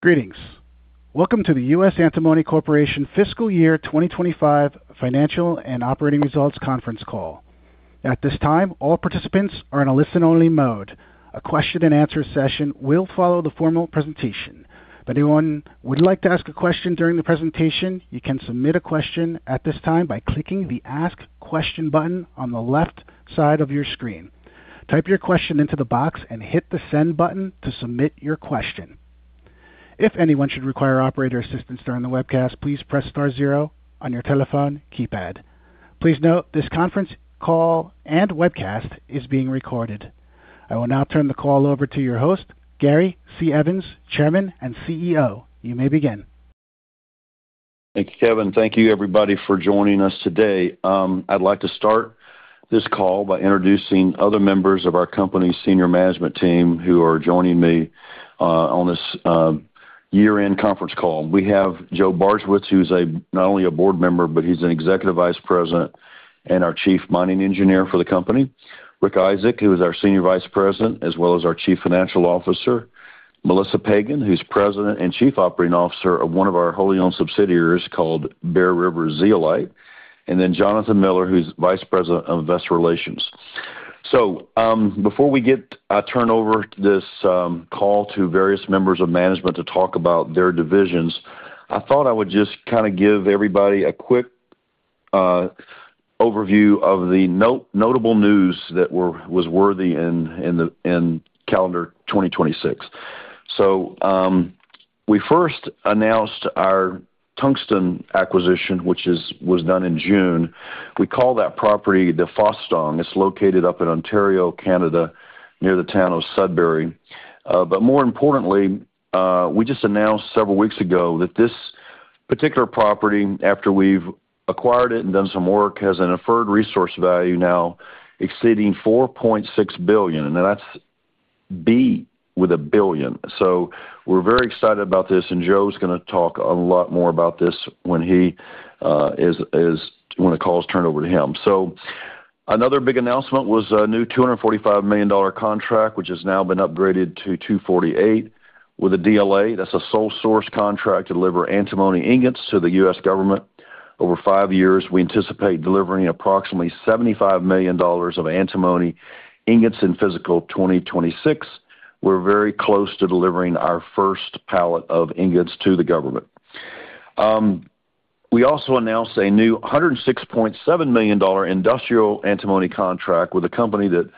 Greetings. Welcome to the US Antimony Corporation fiscal year 2025 financial and operating results conference call. At this time, all participants are in a listen-only mode. A question-and-answer session will follow the formal presentation. If anyone would like to ask a question during the presentation, you can submit a question at this time by clicking the Ask Question button on the left side of your screen. Type your question into the box and hit the Send button to submit your question. If anyone should require operator assistance during the webcast, please press star zero on your telephone keypad. Please note this conference call and webcast is being recorded. I will now turn the call over to your host, Gary C. Evans, Chairman and CEO. You may begin. Thank you, Kevin. Thank you everybody for joining us today. I'd like to start this call by introducing other members of our company's senior management team who are joining me on this year-end conference call. We have Joe Bardswich, who's not only a Board Member, but he's an Executive Vice President and our Chief Mining Engineer for the company. Richard Isaak, who is our Senior Vice President, as well as our Chief Financial Officer. Melissa Pagen, who's President and Chief Operating Officer of one of our wholly owned subsidiaries called Bear River Zeolite. Jonathan Miller, who's Vice President of Investor Relations. Before I turn over this call to various members of management to talk about their divisions, I thought I would just kind of give everybody a quick overview of the notable news that was worthy in calendar 2026. We first announced our tungsten acquisition, which was done in June. We call that property the Fostung. It's located up in Ontario, Canada, near the town of Sudbury. But more importantly, we just announced several weeks ago that this particular property, after we've acquired it and done some work, has an inferred resource value now exceeding $4.6 billion. And that's 'B' with a billion. We're very excited about this, and Joe's gonna talk a lot more about this when the call is turned over to him. Another big announcement was a new $245 million contract, which has now been upgraded to $248 million with a DLA. That's a sole source contract to deliver antimony ingots to the U.S. government. Over five years, we anticipate delivering approximately $75 million of antimony ingots in fiscal 2026. We're very close to delivering our first pallet of ingots to the government. We also announced a new $106.7 million industrial antimony contract with a company that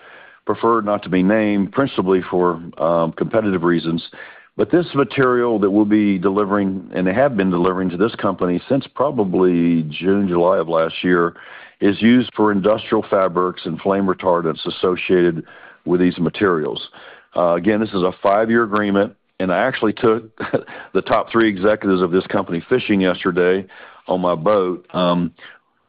preferred not to be named principally for competitive reasons. This material that we'll be delivering and have been delivering to this company since probably June, July of last year, is used for industrial fabrics and flame retardants associated with these materials. Again, this is a five-year agreement, and I actually took the top three executives of this company fishing yesterday on my boat,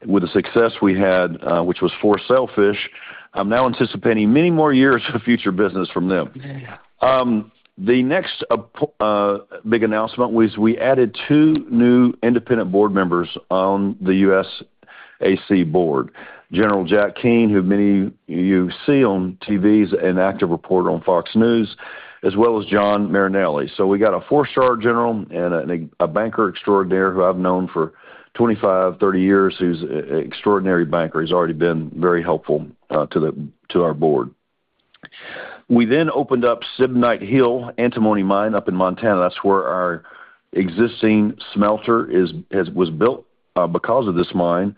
with the success we had, which was for sailfish. I'm now anticipating many more years of future business from them. The next big announcement was we added two new independent Board members on the USAC Board. General Jack Keane, who many of you see on TV as an active reporter on Fox News, as well as Jon Marinelli. We got a four-star general and a banker extraordinaire who I've known for 25, 30 years, who's an extraordinary banker. He's already been very helpful to our Board. We then opened up Stibnite Hill Antimony Mine up in Montana. That's where our existing smelter was built because of this mine.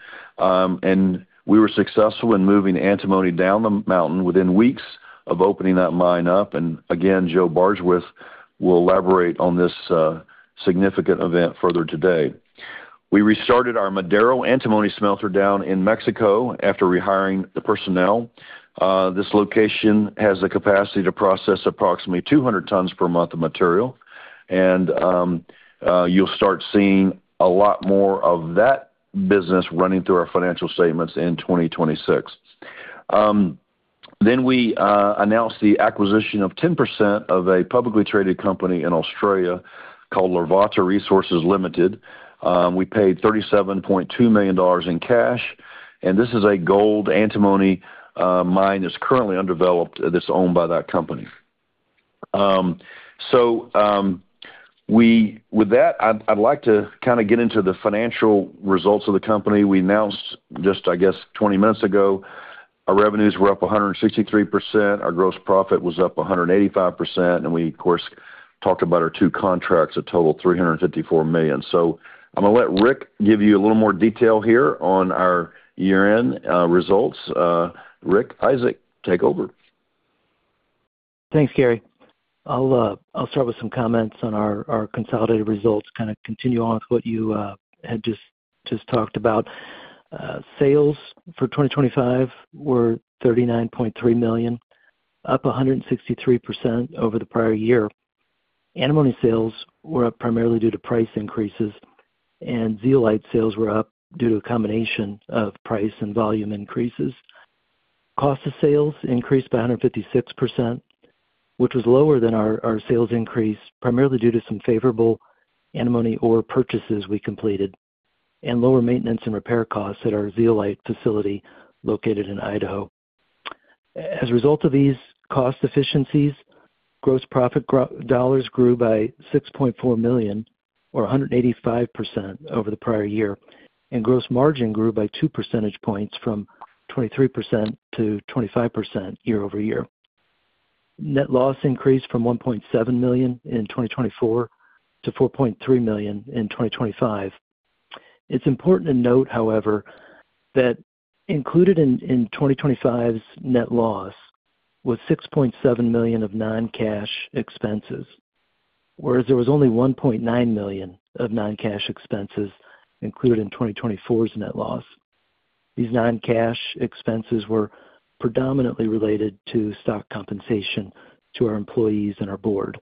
We were successful in moving antimony down the mountain within weeks of opening that mine up. Again, Joe Bardswich will elaborate on this significant event further today. We restarted our Madero antimony smelter down in Mexico after rehiring the personnel. This location has the capacity to process approximately 200 tons per month of material and you'll start seeing a lot more of that business running through our financial statements in 2026. We announced the acquisition of 10% of a publicly traded company in Australia called Larvotto Resources Limited. We paid $37.2 million in cash, and this is a gold antimony mine that's currently underdeveloped that's owned by that company. With that, I'd like to kind of get into the financial results of the company. We announced just, I guess, 20 minutes ago, our revenues were up 163%, our gross profit was up 185%, and we of course talked about our two contracts that total $354 million. I'm gonna let Rick give you a little more detail here on our year-end results. Rick Isaak, take over. Thanks, Gary. I'll start with some comments on our consolidated results, kind of continue on with what you had just talked about. Sales for 2025 were $39.3 million, up 163% over the prior year. Antimony sales were up primarily due to price increases, and zeolite sales were up due to a combination of price and volume increases. Cost of sales increased by 156%, which was lower than our sales increase, primarily due to some favorable antimony ore purchases we completed and lower maintenance and repair costs at our zeolite facility located in Idaho. As a result of these cost efficiencies, gross profit dollars grew by $6.4 million or 185% over the prior year, and gross margin grew by two percentage points from 23% to 25% year-over-year. Net loss increased from $1.7 million in 2024 to $4.3 million in 2025. It's important to note, however, that included in 2025's net loss was $6.7 million of non-cash expenses, whereas there was only $1.9 million of non-cash expenses included in 2024's net loss. These non-cash expenses were predominantly related to stock compensation to our employees and our Board.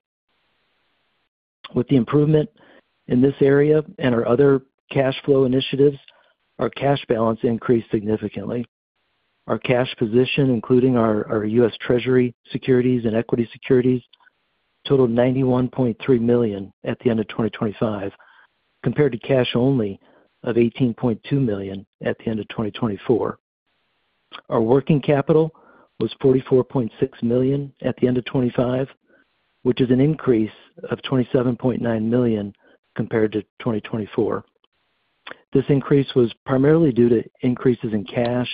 With the improvement in this area and our other cash flow initiatives, our cash balance increased significantly. Our cash position, including our U.S. Treasury securities and equity securities, totaled $91.3 million at the end of 2025, compared to cash only of $18.2 million at the end of 2024. Our working capital was $44.6 million at the end of 2025, which is an increase of $27.9 million compared to 2024. This increase was primarily due to increases in cash,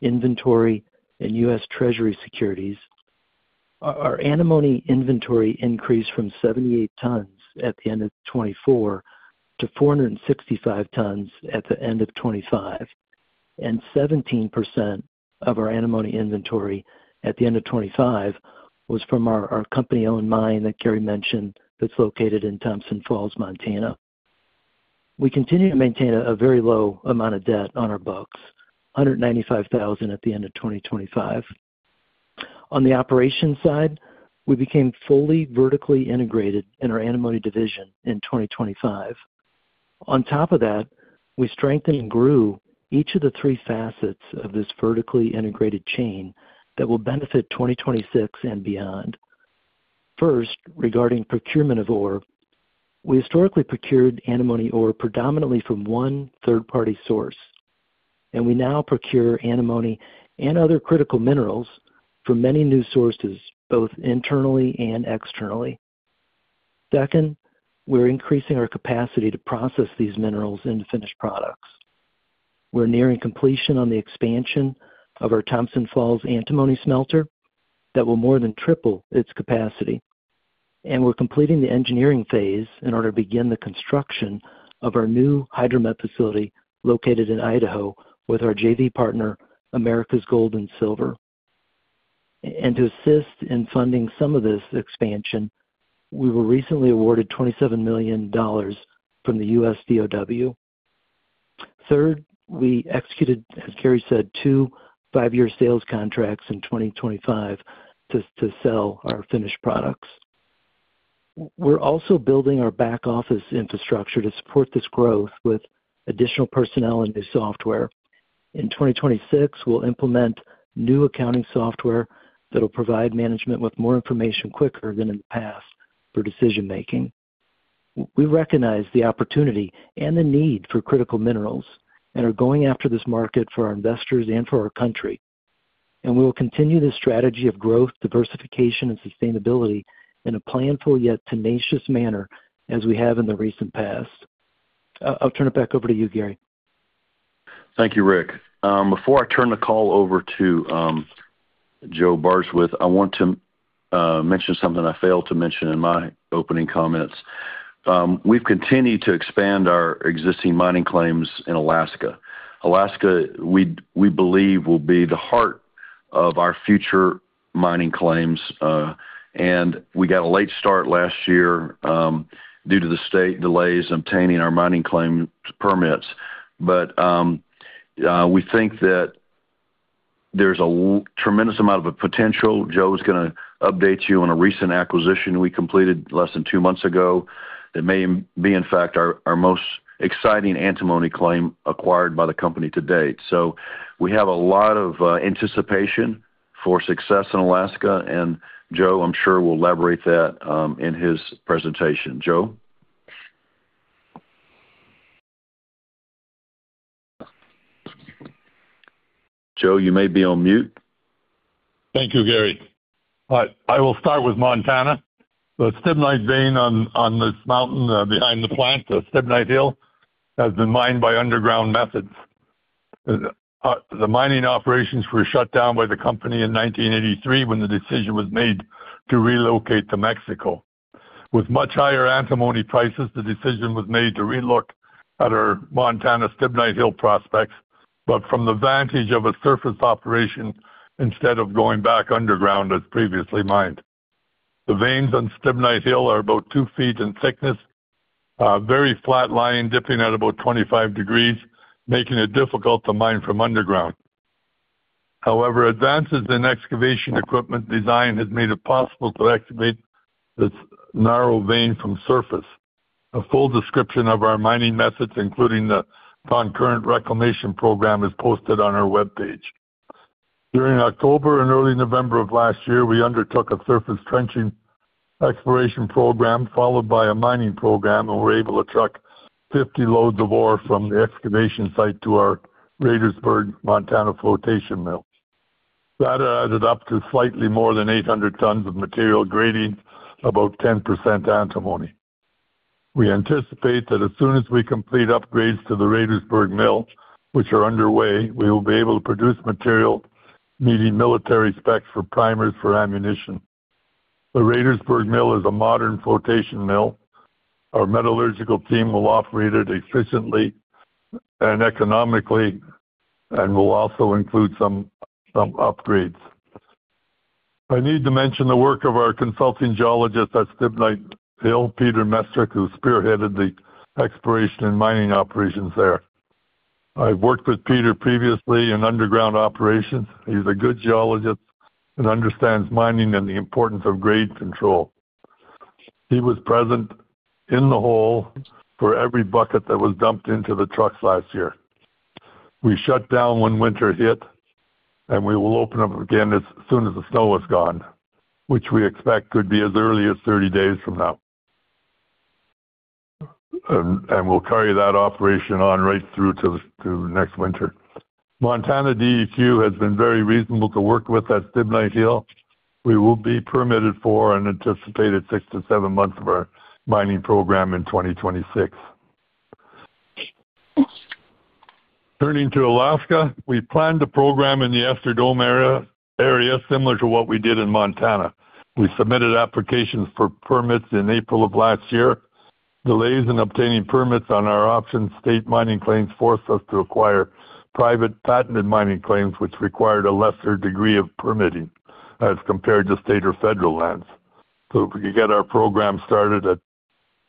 inventory and U.S. Treasury securities. Our antimony inventory increased from 78 tons at the end of 2024 to 465 tons at the end of 2025. 17% of our antimony inventory at the end of 2025 was from our company-owned mine that Gary mentioned, that's located in Thompson Falls, Montana. We continue to maintain a very low amount of debt on our books, $195,000 at the end of 2025. On the operations side, we became fully vertically integrated in our antimony division in 2025. On top of that, we strengthened and grew each of the three facets of this vertically integrated chain that will benefit 2026 and beyond. First, regarding procurement of ore, we historically procured antimony ore predominantly from one third-party source, and we now procure antimony and other critical minerals from many new sources, both internally and externally. Second, we're increasing our capacity to process these minerals into finished products. We're nearing completion on the expansion of our Thompson Falls antimony smelter that will more than triple its capacity. We're completing the engineering phase in order to begin the construction of our new Hydromet facility located in Idaho with our JV partner, Americas Gold and Silver Corporation. To assist in funding some of this expansion, we were recently awarded $27 million from the U.S. Department of Defense. Third, we executed, as Gary said, two five-year sales contracts in 2025 to sell our finished products. We're also building our back office infrastructure to support this growth with additional personnel and new software. In 2026, we'll implement new accounting software that'll provide management with more information quicker than in the past for decision making. We recognize the opportunity and the need for critical minerals and are going after this market for our investors and for our country. We will continue this strategy of growth, diversification and sustainability in a planful yet tenacious manner as we have in the recent past. I'll turn it back over to you, Gary. Thank you, Rick. Before I turn the call over to Joe Bardswich, I want to mention something I failed to mention in my opening comments. We've continued to expand our existing mining claims in Alaska. Alaska, we believe, will be the heart of our future mining claims. We got a late start last year due to the state delays obtaining our mining claim permits. We think that there's a tremendous amount of potential. Joe is gonna update you on a recent acquisition we completed less than two months ago that may be in fact our most exciting antimony claim acquired by the company to date. We have a lot of anticipation for success in Alaska, and Joe, I'm sure, will elaborate that in his presentation. Joe? Joe, you may be on mute. Thank you, Gary. All right. I will start with Montana. The stibnite vein on this mountain behind the plant, the Stibnite Hill, has been mined by underground methods. The mining operations were shut down by the company in 1983 when the decision was made to relocate to Mexico. With much higher antimony prices, the decision was made to relook at our Montana Stibnite Hill prospects, but from the vantage of a surface operation instead of going back underground as previously mined. The veins on Stibnite Hill are about 2 ft in thickness, very flat lying, dipping at about 25 degrees, making it difficult to mine from underground. However, advances in excavation equipment design has made it possible to excavate this narrow vein from surface. A full description of our mining methods, including the concurrent reclamation program, is posted on our webpage. During October and early November of last year, we undertook a surface trenching exploration program followed by a mining program, and we're able to truck 50 loads of ore from the excavation site to our Radersburg, Montana flotation mill. That added up to slightly more than 800 tons of material grading about 10% antimony. We anticipate that as soon as we complete upgrades to the Radersburg mill, which are underway, we will be able to produce material meeting military specs for primers for ammunition. The Radersburg mill is a modern flotation mill. Our metallurgical team will operate it efficiently and economically, and we'll also include some upgrades. I need to mention the work of our Consulting Geologist at Stibnite Hill, Peter Mester, who spearheaded the exploration and mining operations there. I've worked with Peter previously in underground operations. He's a good geologist and understands mining and the importance of grade control. He was present in the hole for every bucket that was dumped into the trucks last year. We shut down when winter hit, and we will open up again as soon as the snow is gone, which we expect could be as early as 30 days from now. We'll carry that operation on right through to next winter. Montana DEQ has been very reasonable to work with at Stibnite Hill. We will be permitted for an anticipated six to seven months of our mining program in 2026. Turning to Alaska, we planned a program in the Ester Dome area similar to what we did in Montana. We submitted applications for permits in April of last year. Delays in obtaining permits on our option, state mining claims forced us to acquire private patented mining claims, which required a lesser degree of permitting as compared to state or federal lands. We could get our program started at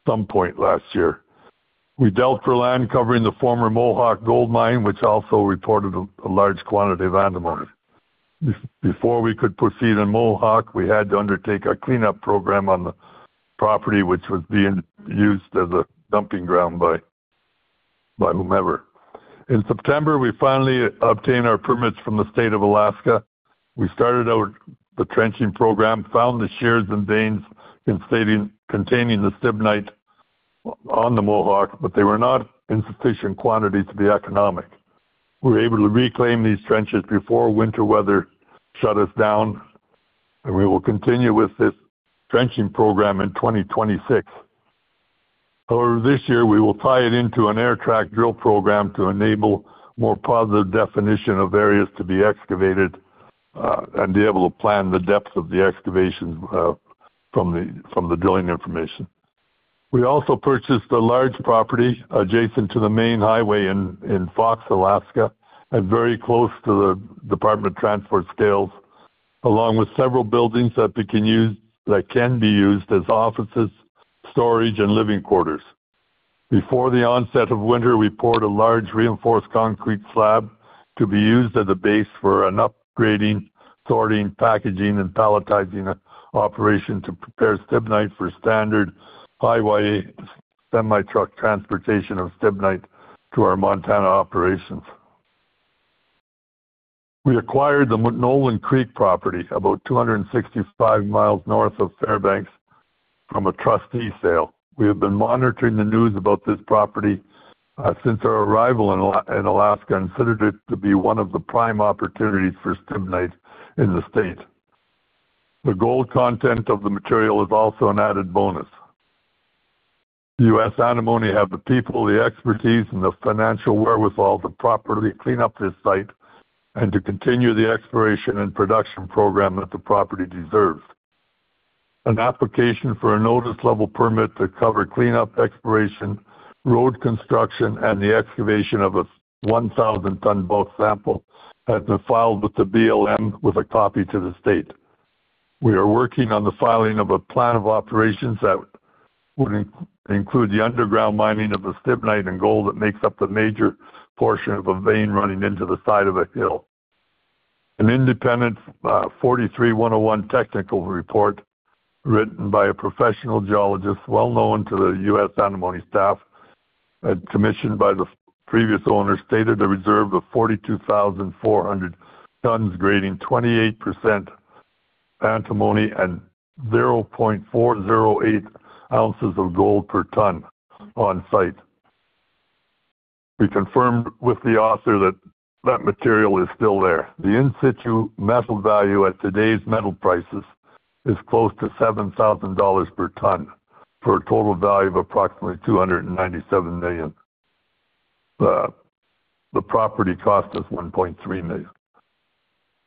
some point last year. We dealt for land covering the former Mohawk gold mine, which also reported a large quantity of antimony. Before we could proceed in Mohawk, we had to undertake a cleanup program on the property which was being used as a dumping ground by whomever. In September, we finally obtained our permits from the State of Alaska. We started out the trenching program, found the shears and veins containing the stibnite on the Mohawk, but they were not in sufficient quantity to be economic. We were able to reclaim these trenches before winter weather shut us down, and we will continue with this trenching program in 2026. However, this year, we will tie it into an air track drill program to enable more positive definition of areas to be excavated and be able to plan the depth of the excavation from the drilling information. We also purchased a large property adjacent to the main highway in Fox, Alaska, and very close to the Department of Transportation scales. Along with several buildings that can be used as offices, storage, and living quarters. Before the onset of winter, we poured a large reinforced concrete slab to be used as a base for an upgrading, sorting, packaging, and palletizing operation to prepare stibnite for standard highway semi-truck transportation of stibnite to our Montana operations. We acquired the Nolan Creek property about 265 mi north of Fairbanks from a trustee sale. We have been monitoring the news about this property since our arrival in Alaska and considered it to be one of the prime opportunities for stibnite in the state. The gold content of the material is also an added bonus. US Antimony have the people, the expertise, and the financial wherewithal to properly clean up this site and to continue the exploration and production program that the property deserves. An application for a notice level permit to cover cleanup exploration, road construction, and the excavation of a 1,000-ton bulk sample has been filed with the BLM with a copy to the state. We are working on the filing of a plan of operations that would include the underground mining of the stibnite and gold that makes up the major portion of a vein running into the side of a hill. An independent 43-101 technical report written by a professional geologist well known to the US Antimony staff and commissioned by the previous owner stated a reserve of 42,400 tons grading 28% antimony and 0.408 ounces of gold per ton on site. We confirmed with the author that that material is still there. The in-situ metal value at today's metal prices is close to $7,000 per ton, for a total value of approximately $297 million. The property cost us $1.3 million.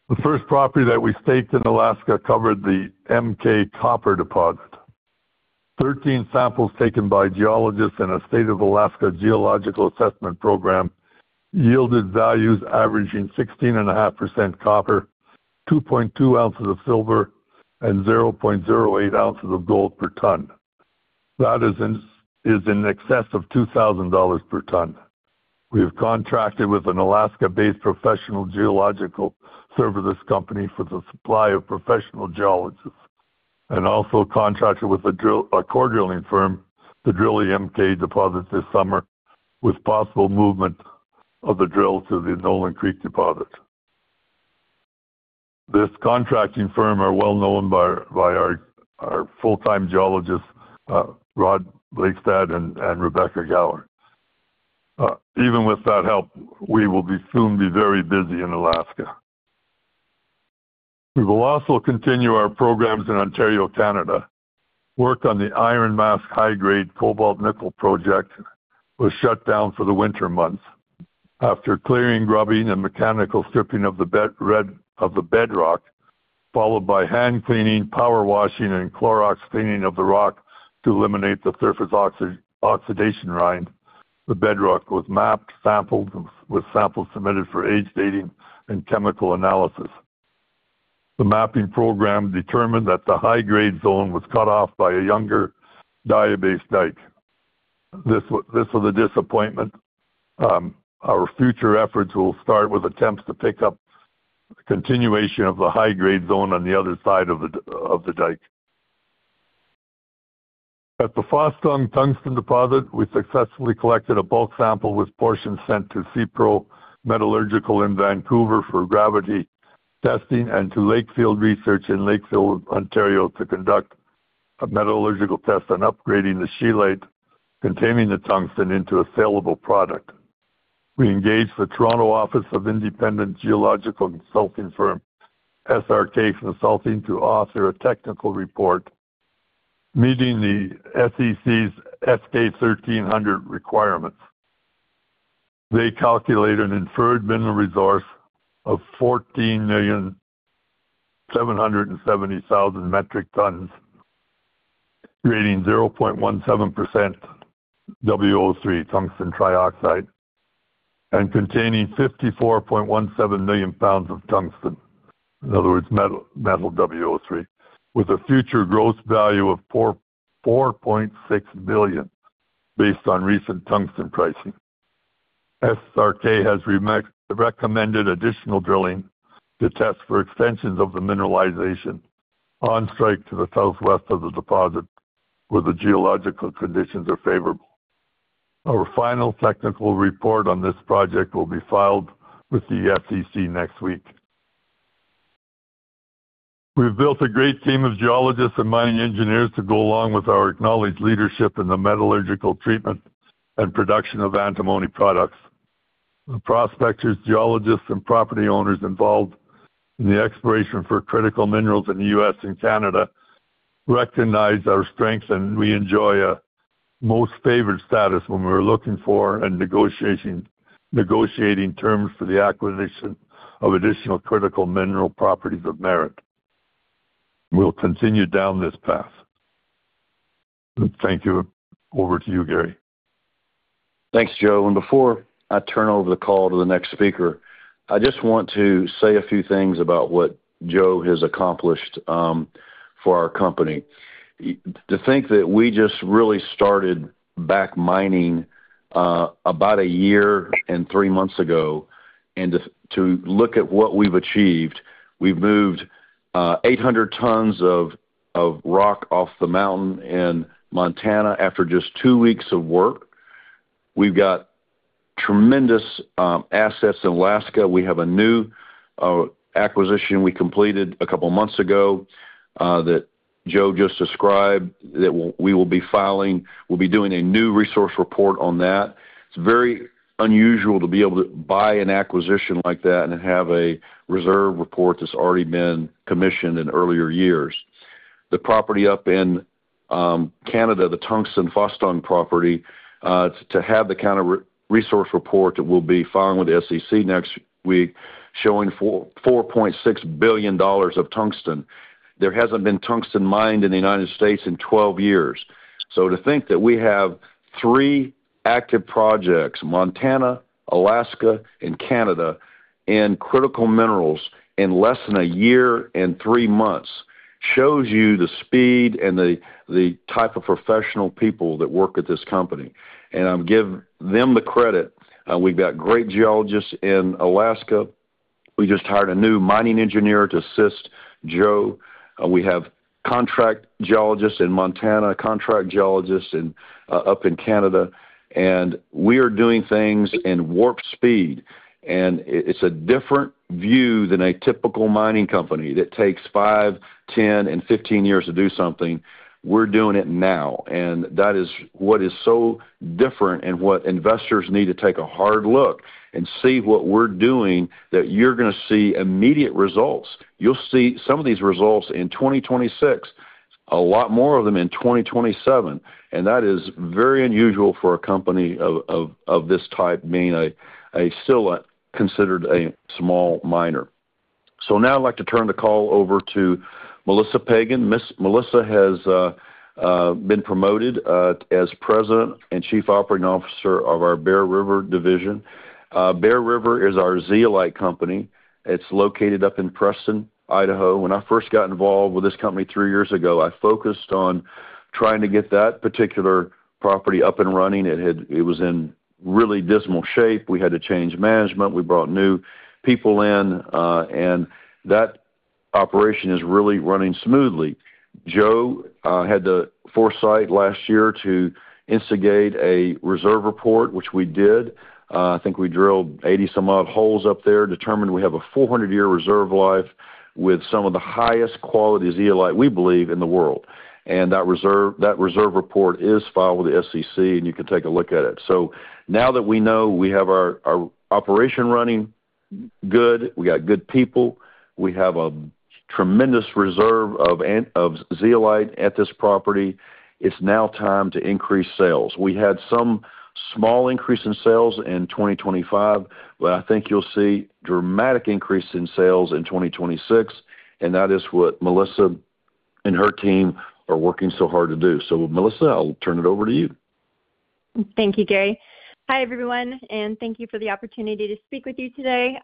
The first property that we staked in Alaska covered the MK copper deposit. 13 samples taken by geologists in a state of Alaska geological assessment program yielded values averaging 16.5% copper, 2.2 ounces of silver, and 0.08 ounces of gold per ton. That is in excess of $2,000 per ton. We have contracted with an Alaska-based professional geological services company for the supply of professional geologists, and also contracted with a core drilling firm to drill the MK deposit this summer with possible movement of the drill to the Nolan Creek deposit. This contracting firm are well known by our full-time geologists, Rod Blakestad and Rebecca Gower. Even with that help, we will soon be very busy in Alaska. We will also continue our programs in Ontario, Canada. Work on the Iron Mask high-grade cobalt nickel project was shut down for the winter months. After clearing, grubbing, and mechanical stripping of the bedrock, followed by hand cleaning, power washing, and Clorox cleaning of the rock to eliminate the surface oxy-oxidation rind. The bedrock was mapped, sampled, with samples submitted for age dating and chemical analysis. The mapping program determined that the high-grade zone was cut off by a younger diabase dike. This was a disappointment. Our future efforts will start with attempts to pick up the continuation of the high-grade zone on the other side of the dike. At the Fostung Tungsten deposit, we successfully collected a bulk sample with portions sent to CPRO Metallurgical in Vancouver for gravity testing and to Lakefield Research in Lakefield, Ontario, to conduct a metallurgical test on upgrading the scheelite containing the tungsten into a sellable product. We engaged the Toronto office of independent geological consulting firm SRK Consulting to author a technical report meeting the SEC's Regulation S-K 1300 requirements. They calculate an inferred mineral resource of 14,770,000 metric tons grading 0.17% WO3, tungsten trioxide, and containing 54.17 million pounds of tungsten. In other words, metal WO3, with a future gross value of $4.6 billion based on recent tungsten pricing. SRK has recommended additional drilling to test for extensions of the mineralization on strike to the southwest of the deposit where the geological conditions are favorable. Our final technical report on this project will be filed with the SEC next week. We've built a great team of geologists and mining engineers to go along with our acknowledged leadership in the metallurgical treatment and production of antimony products. The prospectors, geologists, and property owners involved in the exploration for critical minerals in the U.S. and Canada recognize our strengths, and we enjoy a most favored status when we're looking for and negotiating terms for the acquisition of additional critical mineral properties of merit. We'll continue down this path. Thank you. Over to you, Gary. Thanks, Joe. Before I turn over the call to the next speaker, I just want to say a few things about what Joe has accomplished, for our company. To think that we just really started back mining, about a year and three months ago, and to look at what we've achieved. We've moved 800 tons of rock off the mountain in Montana after just two weeks of work. We've got tremendous assets in Alaska. We have a new acquisition we completed a couple of months ago, that Joe just described that we will be filing. We'll be doing a new resource report on that. It's very unusual to be able to buy an acquisition like that and have a reserve report that's already been commissioned in earlier years. The property up in Canada, the tungsten Fostung property to have the kind of resource report that we'll be filing with the SEC next week showing $4.6 billion of tungsten. There hasn't been tungsten mined in the United States in 12 years. To think that we have three active projects, Montana, Alaska, and Canada, in critical minerals in less than a year and three months, shows you the speed and the type of professional people that work at this company. I'm giving them the credit. We've got great geologists in Alaska. We just hired a new mining engineer to assist Joe. We have contract geologists in Montana, contract geologists up in Canada. We are doing things in warp speed. It's a different view than a typical mining company that takes 5, 10, and 15 years to do something. We're doing it now. That is what is so different and what investors need to take a hard look and see what we're doing, that you're gonna see immediate results. You'll see some of these results in 2026, a lot more of them in 2027. That is very unusual for a company of this type, being a still considered a small miner. Now I'd like to turn the call over to Melissa Pagen. Melissa has been promoted as President and Chief Operating Officer of our Bear River Zeolite division. Bear River is our zeolite company. It's located up in Preston, Idaho. When I first got involved with this company three years ago, I focused on trying to get that particular property up and running. It was in really dismal shape. We had to change management. We brought new people in, and that operation is really running smoothly. Joe had the foresight last year to instigate a reserve report, which we did. I think we drilled 80-some-odd holes up there, determined we have a 400-year reserve life with some of the highest quality zeolite, we believe, in the world. That reserve report is filed with the SEC, and you can take a look at it. Now that we know we have our operation running good, we got good people, we have a tremendous reserve of zeolite at this property, it's now time to increase sales. We had some small increase in sales in 2025, but I think you'll see dramatic increase in sales in 2026, and that is what Melissa and her team are working so hard to do. Melissa, I'll turn it over to you. Thank you, Gary. Hi everyone, and thank you for the opportunity to speak with you today.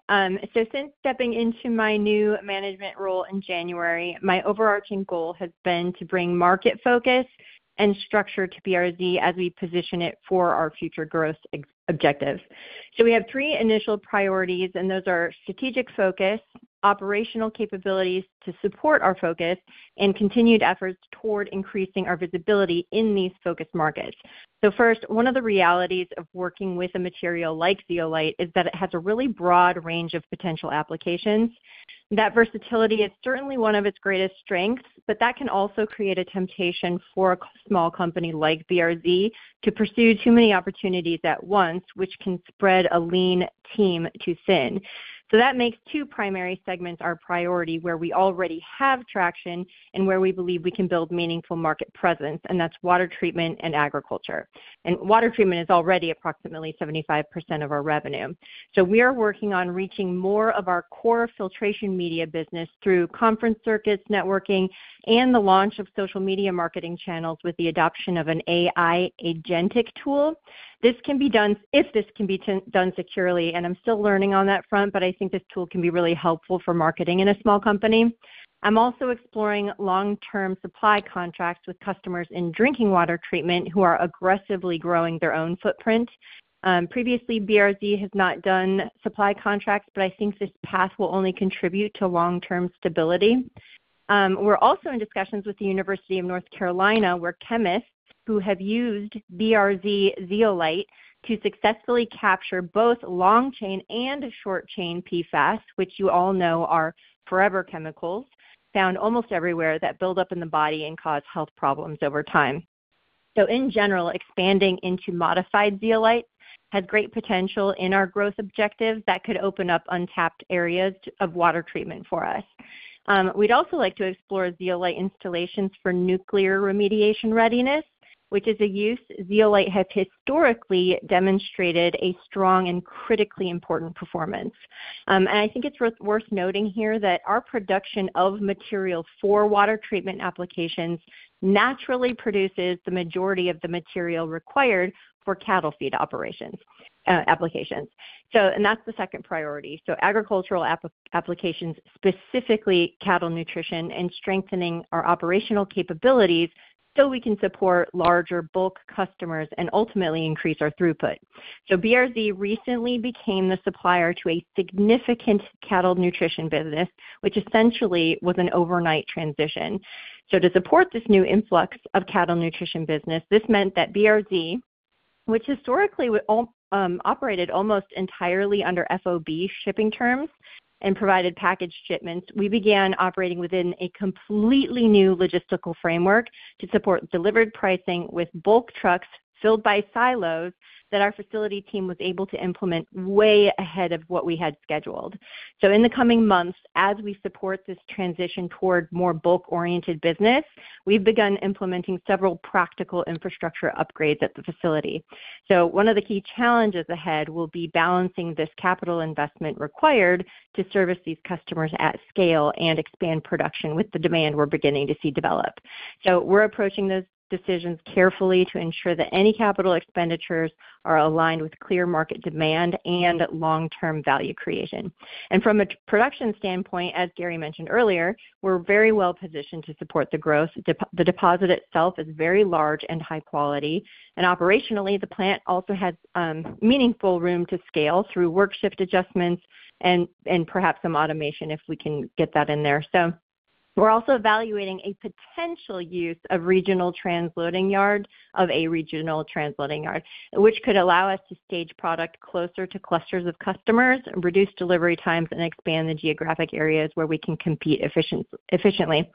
Since stepping into my new management role in January, my overarching goal has been to bring market focus and structure to BRZ as we position it for our future growth objectives. We have three initial priorities, and those are strategic focus, operational capabilities to support our focus, and continued efforts toward increasing our visibility in these focus markets. First, one of the realities of working with a material like zeolite is that it has a really broad range of potential applications. That versatility is certainly one of its greatest strengths, but that can also create a temptation for a small company like BRZ to pursue too many opportunities at once, which can spread a lean team too thin. That makes two primary segments our priority, where we already have traction and where we believe we can build meaningful market presence, and that's Water Treatment and Agriculture. Water Treatment is already approximately 75% of our revenue. We are working on reaching more of our core filtration media business through conference circuits, networking, and the launch of social media marketing channels with the adoption of an AI agentic tool. This can be done, if this can be done securely, and I'm still learning on that front, but I think this tool can be really helpful for marketing in a small company. I'm also exploring long-term supply contracts with customers in drinking Water Treatment who are aggressively growing their own footprint. Previously, BRZ has not done supply contracts, but I think this path will only contribute to long-term stability. We're also in discussions with the University of North Carolina, where chemists who have used BRZ zeolite to successfully capture both long-chain and short-chain PFAS, which you all know are forever chemicals, found almost everywhere that build up in the body and cause health problems over time. In general, expanding into modified zeolite has great potential in our growth objective that could open up untapped areas of water treatment for us. We'd also like to explore zeolite installations for nuclear remediation readiness, which is a use zeolite has historically demonstrated a strong and critically important performance. I think it's worth noting here that our production of material for Water Treatment applications naturally produces the majority of the material required for cattle feed operations, applications. That's the second priority. Agricultural applications, specifically cattle nutrition and strengthening our operational capabilities so we can support larger bulk customers and ultimately increase our throughput. BRZ recently became the supplier to a significant cattle nutrition business, which essentially was an overnight transition. To support this new influx of cattle nutrition business, this meant that BRZ, which historically operated almost entirely under FOB shipping terms and provided packaged shipments, we began operating within a completely new logistical framework to support delivered pricing with bulk trucks filled by silos that our facility team was able to implement way ahead of what we had scheduled. In the coming months, as we support this transition toward more bulk-oriented business, we've begun implementing several practical infrastructure upgrades at the facility. One of the key challenges ahead will be balancing this capital investment required to service these customers at scale and expand production with the demand we're beginning to see develop. We're approaching those decisions carefully to ensure that any capital expenditures are aligned with clear market demand and long-term value creation. From a production standpoint, as Gary mentioned earlier, we're very well positioned to support the growth. The deposit itself is very large and high quality, and operationally, the plant also has meaningful room to scale through work shift adjustments and perhaps some automation if we can get that in there. We're also evaluating a potential use of a regional transloading yard, which could allow us to stage product closer to clusters of customers, reduce delivery times, and expand the geographic areas where we can compete efficiently.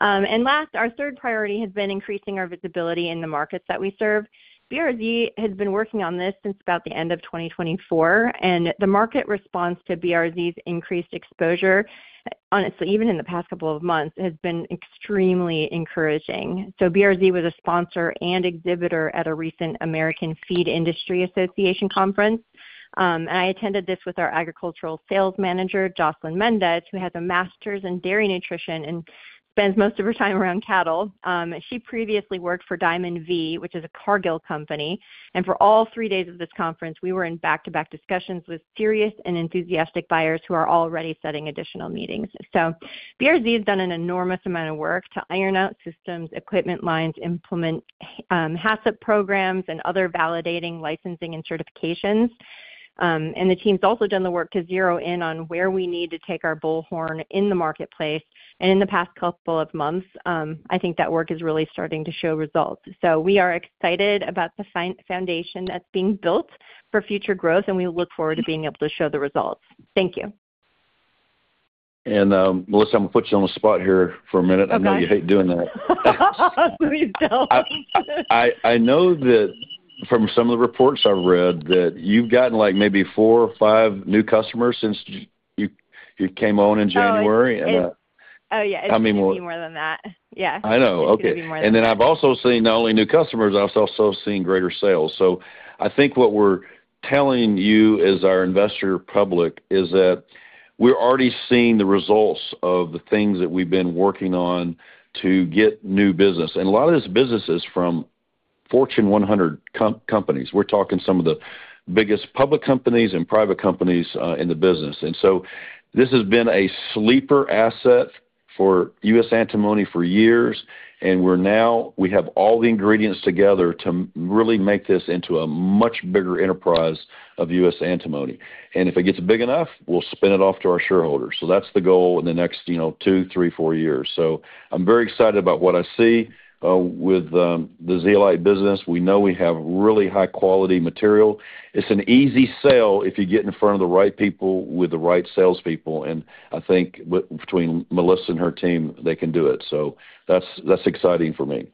Last, our third priority has been increasing our visibility in the markets that we serve. BRZ has been working on this since about the end of 2024, and the market response to BRZ's increased exposure, honestly, even in the past couple of months, has been extremely encouraging. BRZ was a sponsor and exhibitor at a recent American Feed Industry Association conference, and I attended this with our agricultural sales manager, Jocelyn Mendez, who has a master's in dairy nutrition and spends most of her time around cattle. She previously worked for Diamond V, which is a Cargill company. For all three days of this conference, we were in back-to-back discussions with serious and enthusiastic buyers who are already setting additional meetings. BRZ has done an enormous amount of work to iron out systems, equipment lines, implement HACCP programs and other validating licensing and certifications. The team's also done the work to zero in on where we need to take our bullhorn in the marketplace. In the past couple of months, I think that work is really starting to show results. We are excited about the foundation that's being built for future growth, and we look forward to being able to show the results. Thank you. Melissa, I'm gonna put you on the spot here for a minute. Okay. I know you hate doing that. Please don't. I know that from some of the reports I've read that you've gotten, like, maybe four or five new customers since you came on in January. Oh, it's. And, uh- Oh, yeah. How many more? It's gonna be more than that. Yeah. I know. Okay. It's gonna be more than that. I've also seen not only new customers, I've also seen greater sales. I think what we're telling you as our investor public is that we're already seeing the results of the things that we've been working on to get new business. A lot of this business is from Fortune 100 companies. We're talking some of the biggest public companies and private companies in the business. This has been a sleeper asset for US Antimony for years, and we have all the ingredients together to really make this into a much bigger enterprise of US Antimony. If it gets big enough, we'll spin it off to our shareholders. That's the goal in the next, you know, two, three, four years. I'm very excited about what I see with the zeolite business. We know we have really high quality material. It's an easy sell if you get in front of the right people with the right salespeople, and I think between Melissa and her team, they can do it. That's exciting for me.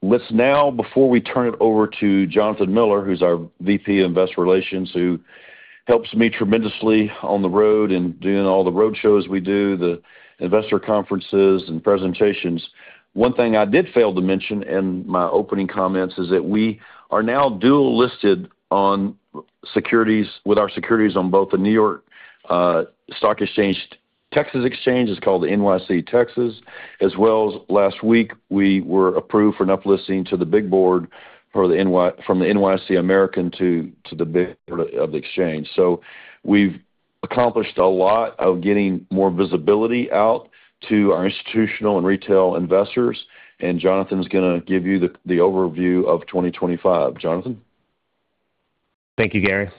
Let's now, before we turn it over to Jonathan Miller, who's our VP of Investor Relations, who helps me tremendously on the road and doing all the road shows we do, the investor conferences and presentations. One thing I did fail to mention in my opening comments is that we are now dual listed with our securities on both the New York Stock Exchange, Texas Exchange, it's called the TXSE Texas, as well as last week we were approved for an uplisting to the Big Board from the NYSE American to the Big Board of the exchange. We've accomplished a lot of getting more visibility out to our institutional and retail investors, and Jonathan's gonna give you the overview of 2025. Jonathan. Thank you, Gary.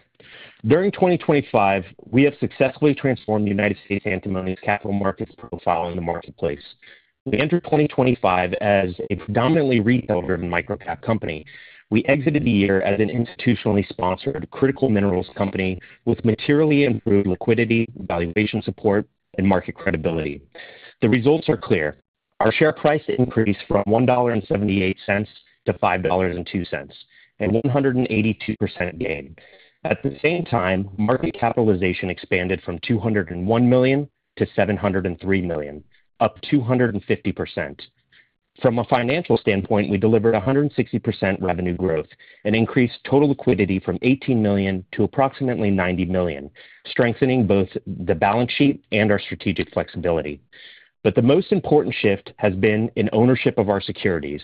During 2025, we have successfully transformed United States Antimony's capital markets profile in the marketplace. We entered 2025 as a predominantly retail-driven micro-cap company. We exited the year as an institutionally sponsored critical minerals company with materially improved liquidity, valuation support, and market credibility. The results are clear. Our share price increased from $1.78-$5.02, a 182% gain. At the same time, market capitalization expanded from $201 million-$703 million, up 250%. From a financial standpoint, we delivered 160% revenue growth and increased total liquidity from $18 million to approximately $90 million, strengthening both the balance sheet and our strategic flexibility. The most important shift has been in ownership of our securities.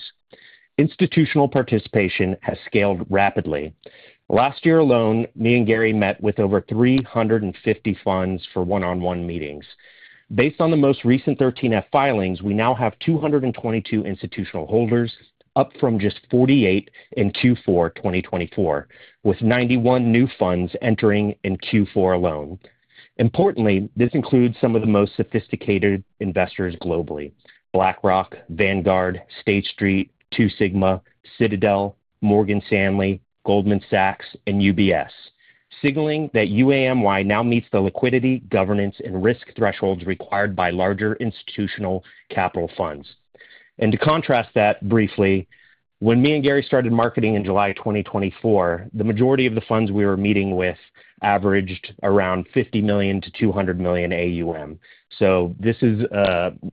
Institutional participation has scaled rapidly. Last year alone, me and Gary met with over 350 funds for one-on-one meetings. Based on the most recent Form 13F filings, we now have 222 institutional holders, up from just 48 in Q4 2024, with 91 new funds entering in Q4 alone. Importantly, this includes some of the most sophisticated investors globally, BlackRock, Vanguard, State Street, Two Sigma, Citadel, Morgan Stanley, Goldman Sachs, and UBS, signaling that UAMY now meets the liquidity, governance, and risk thresholds required by larger institutional capital funds. To contrast that briefly, when me and Gary started marketing in July 2024, the majority of the funds we were meeting with averaged around $50 million-$200 million AUM. This is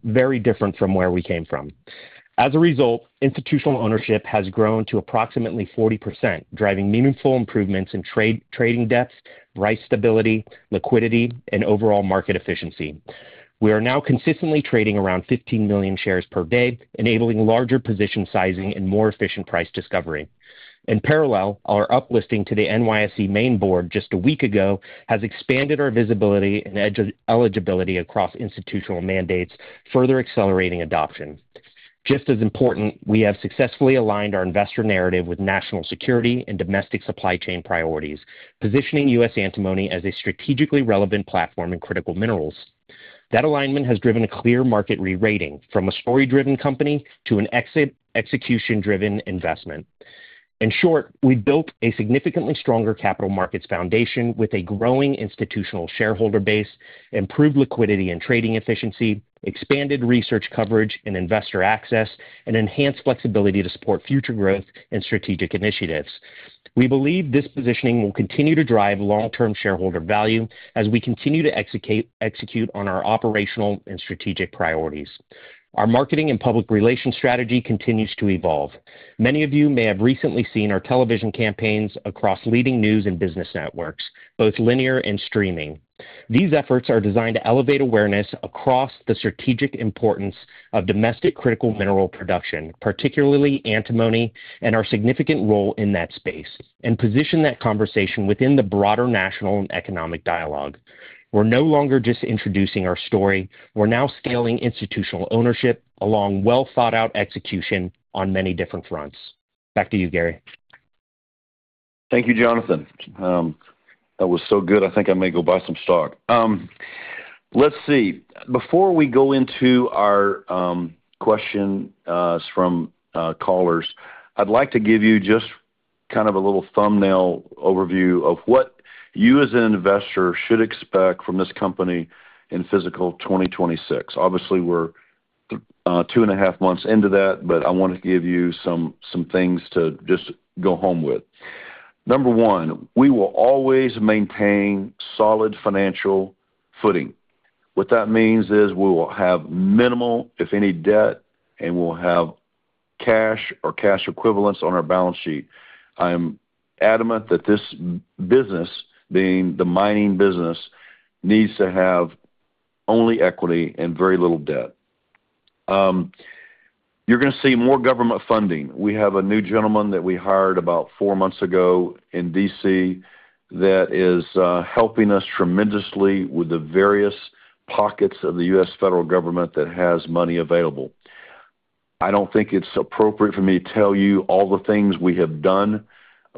very different from where we came from. As a result, institutional ownership has grown to approximately 40%, driving meaningful improvements in trading depths, price stability, liquidity, and overall market efficiency. We are now consistently trading around 15 million shares per day, enabling larger position sizing and more efficient price discovery. In parallel, our uplisting to the NYSE American just a week ago has expanded our visibility and eligibility across institutional mandates, further accelerating adoption. Just as important, we have successfully aligned our investor narrative with national security and domestic supply chain priorities, positioning US Antimony as a strategically relevant platform in critical minerals. That alignment has driven a clear market re-rating from a story-driven company to an execution-driven investment. In short, we've built a significantly stronger capital markets foundation with a growing institutional shareholder base, improved liquidity and trading efficiency, expanded research coverage and investor access, and enhanced flexibility to support future growth and strategic initiatives. We believe this positioning will continue to drive long-term shareholder value as we continue to execute on our operational and strategic priorities. Our marketing and public relations strategy continues to evolve. Many of you may have recently seen our television campaigns across leading news and business networks, both linear and streaming. These efforts are designed to elevate awareness across the strategic importance of domestic critical mineral production, particularly antimony, and our significant role in that space, and position that conversation within the broader national and economic dialogue. We're no longer just introducing our story. We're now scaling institutional ownership along well-thought-out execution on many different fronts. Back to you, Gary. Thank you, Jonathan. That was so good, I think I may go buy some stock. Let's see. Before we go into our question from callers, I'd like to give you just kind of a little thumbnail overview of what you as an investor should expect from this company in fiscal 2026. Obviously, we're two and a half months into that, but I wanna give you some things to just go home with. Number one, we will always maintain solid financial footing. What that means is we will have minimal, if any, debt, and we'll have cash or cash equivalents on our balance sheet. I am adamant that this business, being the mining business, needs to have only equity and very little debt. You're gonna see more government funding. We have a new gentleman that we hired about four months ago in D.C. that is helping us tremendously with the various pockets of the U.S. federal government that has money available. I don't think it's appropriate for me to tell you all the things we have done,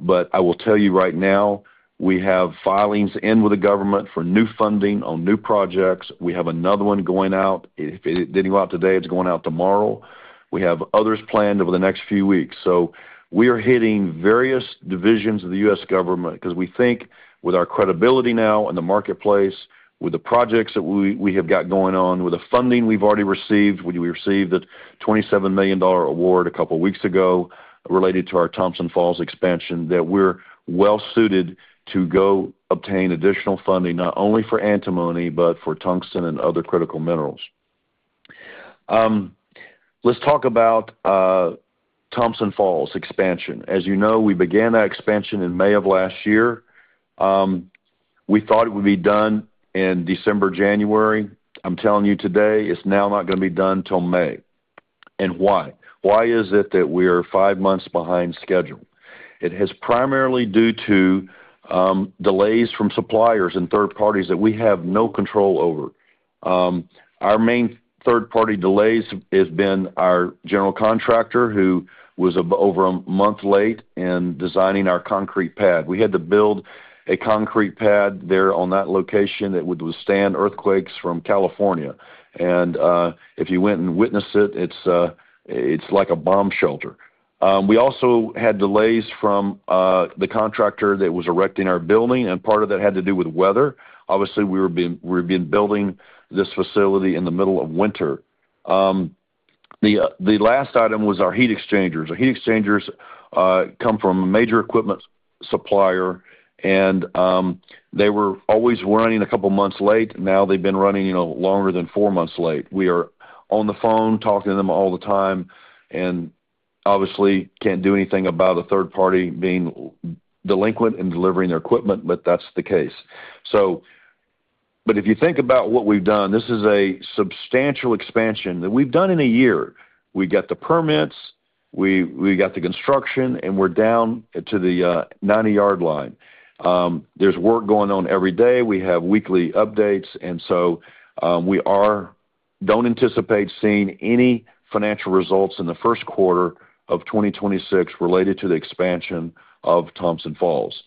but I will tell you right now, we have filings in with the government for new funding on new projects. We have another one going out. If it didn't go out today, it's going out tomorrow. We have others planned over the next few weeks. We are hitting various divisions of the U.S. government 'cause we think with our credibility now in the marketplace, with the projects that we have got going on, with the funding we've already received, we received a $27 million award a couple weeks ago related to our Thompson Falls expansion, that we're well suited to go obtain additional funding, not only for antimony, but for tungsten and other critical minerals. Let's talk about Thompson Falls expansion. As you know, we began that expansion in May of last year. We thought it would be done in December, January. I'm telling you today, it's now not gonna be done till May. Why? Why is it that we're five months behind schedule? It is primarily due to delays from suppliers and third parties that we have no control over. Our main third-party delays has been our general contractor, who was over a month late in designing our concrete pad. We had to build a concrete pad there on that location that would withstand earthquakes from California. If you went and witnessed it's like a bomb shelter. We also had delays from the contractor that was erecting our building, and part of that had to do with weather. Obviously, we've been building this facility in the middle of winter. The last item was our heat exchangers. Our heat exchangers come from a major equipment supplier, and they were always running a couple of months late. Now they've been running, you know, longer than four months late. We are on the phone talking to them all the time and obviously can't do anything about a third party being delinquent in delivering their equipment, but that's the case. If you think about what we've done, this is a substantial expansion that we've done in a year. We got the permits, we got the construction, and we're down to the 90-yard line. There's work going on every day. We have weekly updates, and so we don't anticipate seeing any financial results in the first quarter of 2026 related to the expansion of Thompson Falls.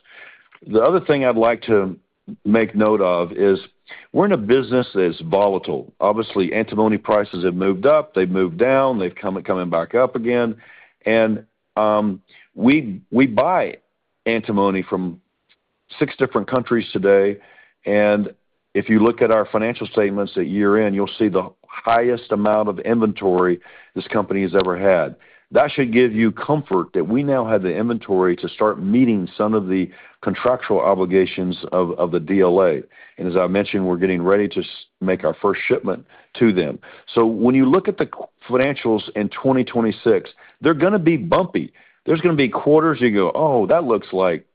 The other thing I'd like to make note of is we're in a business that's volatile. Obviously, antimony prices have moved up, they've moved down, they've come and coming back up again. We buy antimony from six different countries today, and if you look at our financial statements at year-end, you'll see the highest amount of inventory this company has ever had. That should give you comfort that we now have the inventory to start meeting some of the contractual obligations of the DLA. As I mentioned, we're getting ready to make our first shipment to them. When you look at the financials in 2026, they're gonna be bumpy. There's gonna be quarters you go, "Oh, that looks like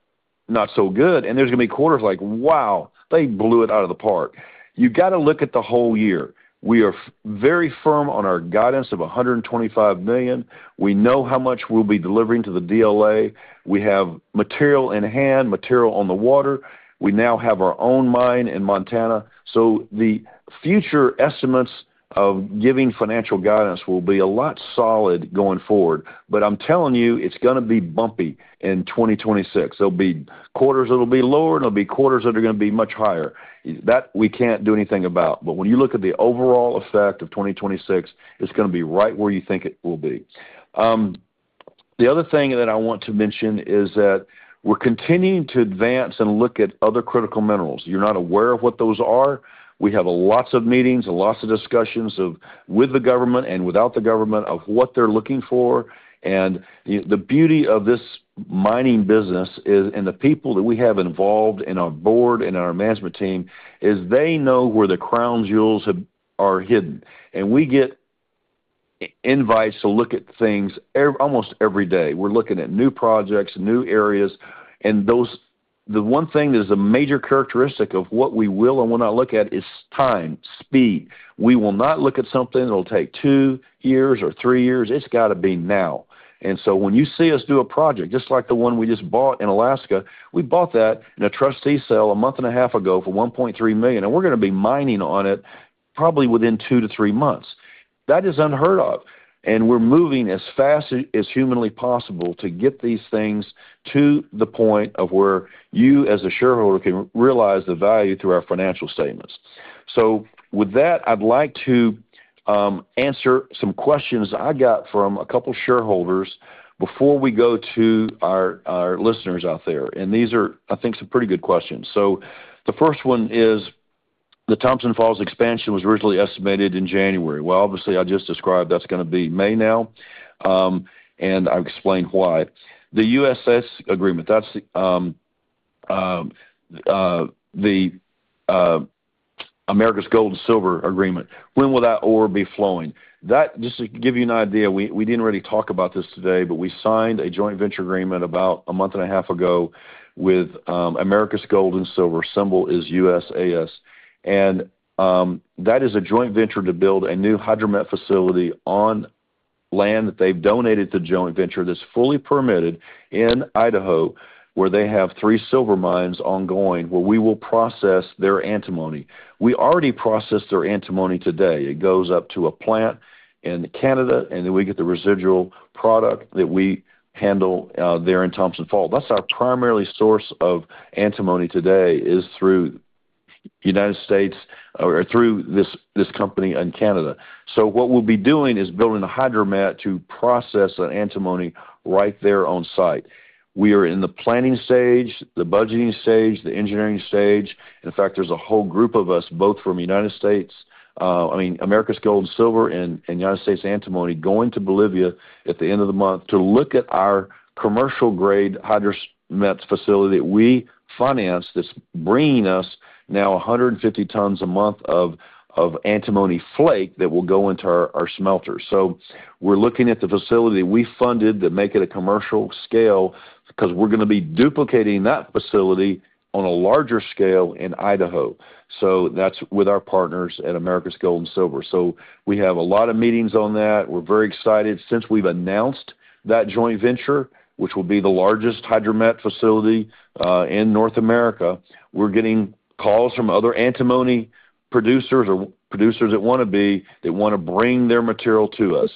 not so good." There's gonna be quarters like, "Wow, they blew it out of the park." You gotta look at the whole year. We are very firm on our guidance of $125 million. We know how much we'll be delivering to the DLA. We have material in hand, material on the water. We now have our own mine in Montana. The future estimates of giving financial guidance will be a lot more solid going forward. I'm telling you, it's gonna be bumpy in 2026. There'll be quarters that'll be lower, and there'll be quarters that are gonna be much higher. That we can't do anything about. When you look at the overall effect of 2026, it's gonna be right where you think it will be. The other thing that I want to mention is that we're continuing to advance and look at other critical minerals. You're not aware of what those are. We have a lot of meetings, a lot of discussions with the government and without the government of what they're looking for. The beauty of this mining business is, and the people that we have involved in our Board and our management team, is they know where the crown jewels are hidden. We get invites to look at things almost every day. We're looking at new projects, new areas. The one thing that is a major characteristic of what we will and will not look at is time, speed. We will not look at something that'll take two years or three years. It's gotta be now. When you see us do a project just like the one we just bought in Alaska, we bought that in a trustee sale a month and a half ago for $1.3 million, and we're gonna be mining on it probably within two to three months. That is unheard of. We're moving as fast as humanly possible to get these things to the point of where you, as a shareholder, can realize the value through our financial statements. With that, I'd like to answer some questions I got from a couple shareholders before we go to our listeners out there, and these are, I think, some pretty good questions. The first one is, the Thompson Falls expansion was originally estimated in January. Well, obviously, I just described that's gonna be May now, and I explained why. The USAS agreement, that's the Americas Gold and Silver agreement. When will that ore be flowing? Just to give you an idea, we didn't really talk about this today, but we signed a joint venture agreement about a month and a half ago with Americas Gold and Silver, symbol is USAS. That is a joint venture to build a new hydromet facility on land that they've donated to joint venture that's fully permitted in Idaho, where they have three silver mines ongoing, where we will process their antimony. We already process their antimony today. It goes up to a plant in Canada, and then we get the residual product that we handle there in Thompson Falls. That's our primary source of antimony today is through United States or through this company in Canada. What we'll be doing is building a hydromet to process that antimony right there on site. We are in the planning stage, the budgeting stage, the engineering stage. In fact, there's a whole group of us both from Americas Gold and Silver and United States Antimony going to Bolivia at the end of the month to look at our commercial-grade hydromet facility we financed that's bringing us now 150 tons a month of antimony flake that will go into our smelter. We're looking at the facility we funded to make it a commercial scale because we're gonna be duplicating that facility on a larger scale in Idaho. That's with our partners at Americas Gold and Silver. We have a lot of meetings on that. We're very excited. Since we've announced that joint venture, which will be the largest hydromet facility in North America, we're getting calls from other antimony producers or producers that wanna be. They wanna bring their material to us.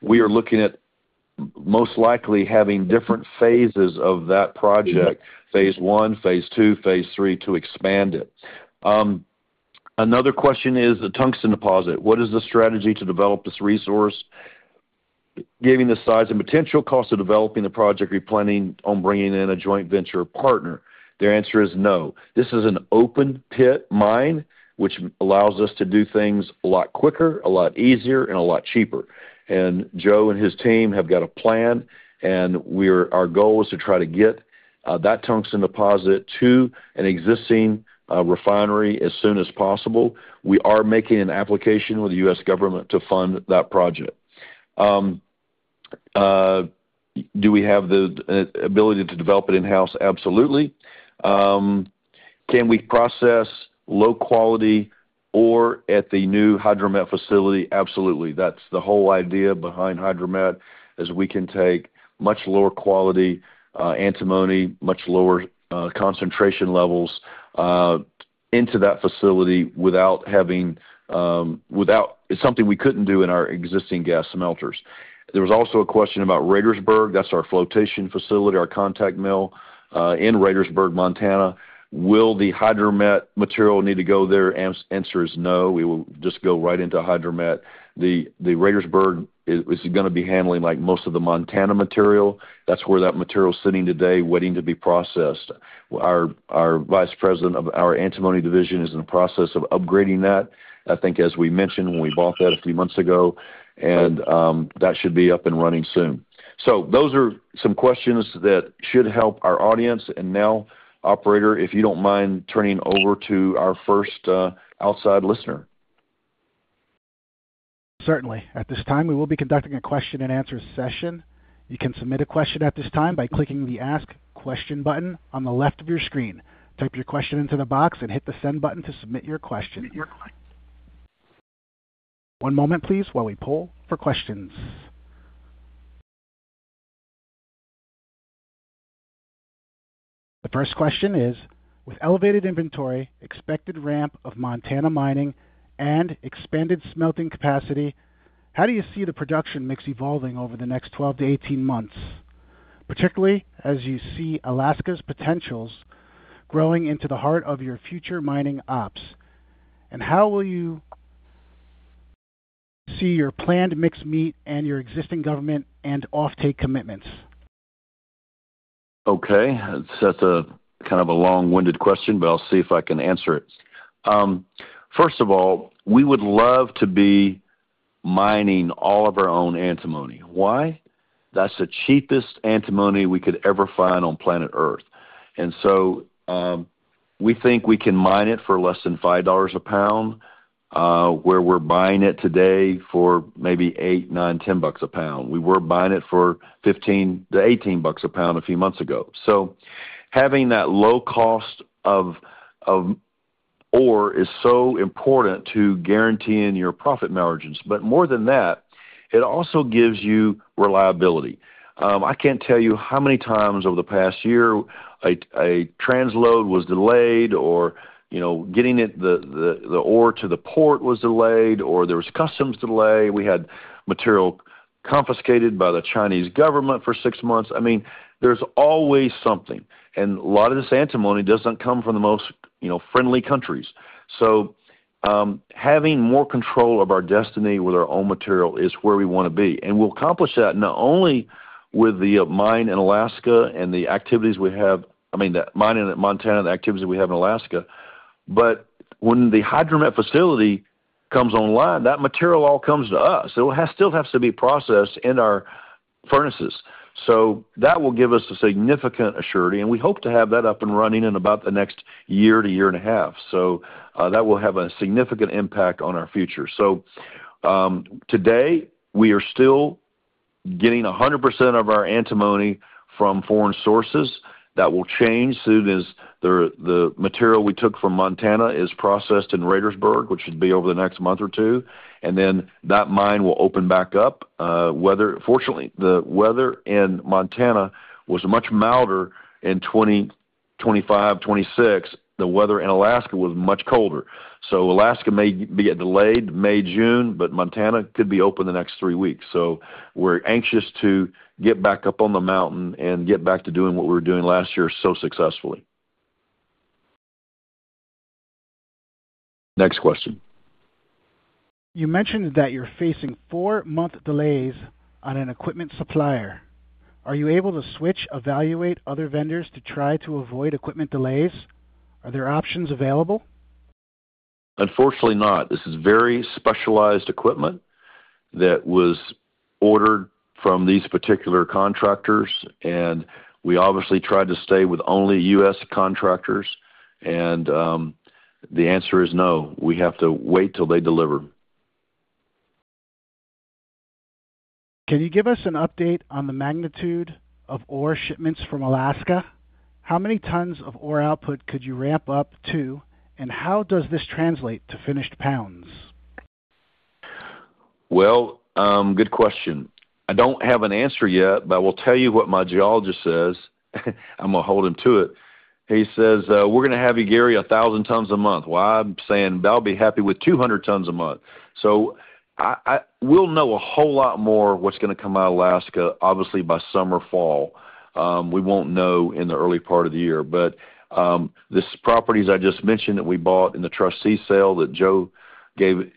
We are looking at most likely having different phases of that project, phase one, phase two, phase three, to expand it. Another question is the tungsten deposit. What is the strategy to develop this resource? Given the size and potential cost of developing the project, are you planning on bringing in a joint venture partner? The answer is no. This is an open pit mine, which allows us to do things a lot quicker, a lot easier, and a lot cheaper. Joe and his team have got a plan, and our goal is to try to get that tungsten deposit to an existing refinery as soon as possible. We are making an application with the U.S. government to fund that project. Do we have the ability to develop it in-house? Absolutely. Can we process low quality ore at the new Hydromet facility? Absolutely. That's the whole idea behind Hydromet, is we can take much lower quality antimony, much lower concentration levels into that facility. It's something we couldn't do in our existing gas smelters. There was also a question about Radersburg. That's our flotation facility, our concentrate mill in Radersburg, Montana. Will the Hydromet material need to go there? Answer is no. We will just go right into Hydromet. The Radersburg is gonna be handling like most of the Montana material. That's where that material is sitting today, waiting to be processed. Our vice president of our antimony division is in the process of upgrading that. I think as we mentioned when we bought that a few months ago, that should be up and running soon. Those are some questions that should help our audience. Now, operator, if you don't mind turning over to our first outside listener. Certainly. At this time, we will be conducting a question-and-answer session. You can submit a question at this time by clicking the Ask Question button on the left of your screen. Type your question into the box and hit the Send button to submit your question. One moment, please, while we pull for questions. The first question is: With elevated inventory, expected ramp of Montana Mining, and expanded smelting capacity, how do you see the production mix evolving over the next 12-18 months, particularly as you see Alaska's potentials growing into the heart of your future mining ops? And how will you see your planned mix meet your existing government and offtake commitments? Okay. That's a kind of a long-winded question, but I'll see if I can answer it. First of all, we would love to be mining all of our own antimony. Why? That's the cheapest antimony we could ever find on planet Earth. We think we can mine it for less than $5 a pound, where we're buying it today for maybe $8, $9, $10 a pound. We were buying it for $15-$18 a pound a few months ago. Having that low cost of ore is so important to guaranteeing your profit margins. More than that, it also gives you reliability. I can't tell you how many times over the past year a transload was delayed or, you know, getting it, the ore to the port was delayed or there was customs delay. We had material confiscated by the Chinese government for 6 months. I mean, there's always something. A lot of this antimony doesn't come from the most, you know, friendly countries. Having more control of our destiny with our own material is where we wanna be. We'll accomplish that not only with the mine in Montana, the activities we have in Alaska. When the Hydromet facility comes online, that material all comes to us. It still has to be processed in our furnaces. That will give us a significant surety, and we hope to have that up and running in about the next year to year and a half. That will have a significant impact on our future. Today, we are still getting 100% of our antimony from foreign sources. That will change soon as the material we took from Montana is processed in Radersburg, which should be over the next month or two. Then that mine will open back up. Weather fortunately, the weather in Montana was much milder in 2025, 2026. The weather in Alaska was much colder. Alaska may be delayed May, June, but Montana could be open the next three weeks. We're anxious to get back up on the mountain and get back to doing what we were doing last year so successfully. Next question. You mentioned that you're facing four-month delays on an equipment supplier. Are you able to switch, evaluate other vendors to try to avoid equipment delays? Are there options available? Unfortunately not. This is very specialized equipment that was ordered from these particular contractors, and we obviously tried to stay with only U.S. contractors. The answer is no. We have to wait till they deliver. Can you give us an update on the magnitude of ore shipments from Alaska? How many tons of ore output could you ramp up to, and how does this translate to finished pounds? Good question. I don't have an answer yet, but I will tell you what my geologist says. I'm gonna hold him to it. He says, "We're gonna have you, Gary, 1,000 tons a month." Well, I'm saying that I'll be happy with 200 tons a month. We'll know a whole lot more what's gonna come out of Alaska, obviously, by summer, fall. We won't know in the early part of the year. These properties I just mentioned that we bought in the trustee sale that Joe gave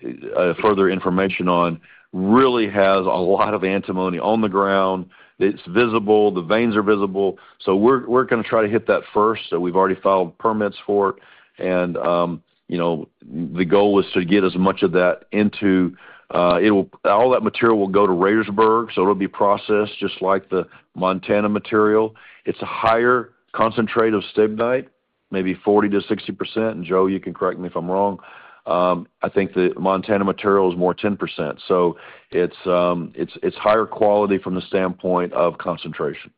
further information on really has a lot of antimony on the ground. It's visible. The veins are visible. We're gonna try to hit that first. We've already filed permits for it. You know, the goal is to get as much of that into all that material will go to Radersburg, so it'll be processed just like the Montana material. It's a higher concentrate of stibnite, maybe 40%-60%. Joe, you can correct me if I'm wrong. I think the Montana material is a mere 10%. It's higher quality from the standpoint of concentration.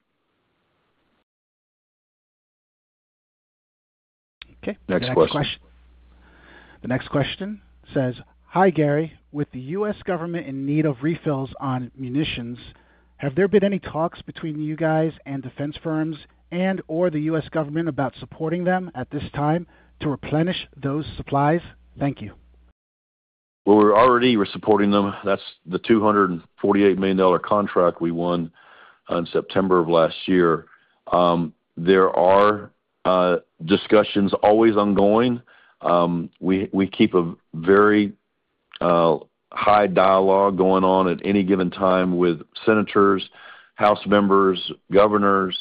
Okay. Next question. The next question says: Hi, Gary. With the U.S. government in need of refills on munitions, have there been any talks between you guys and defense firms and/or the U.S. government about supporting them at this time to replenish those supplies? Thank you. We're already supporting them. That's the $248 million contract we won on September of last year. There are discussions always ongoing. We keep a very high dialogue going on at any given time with senators, house members, governors,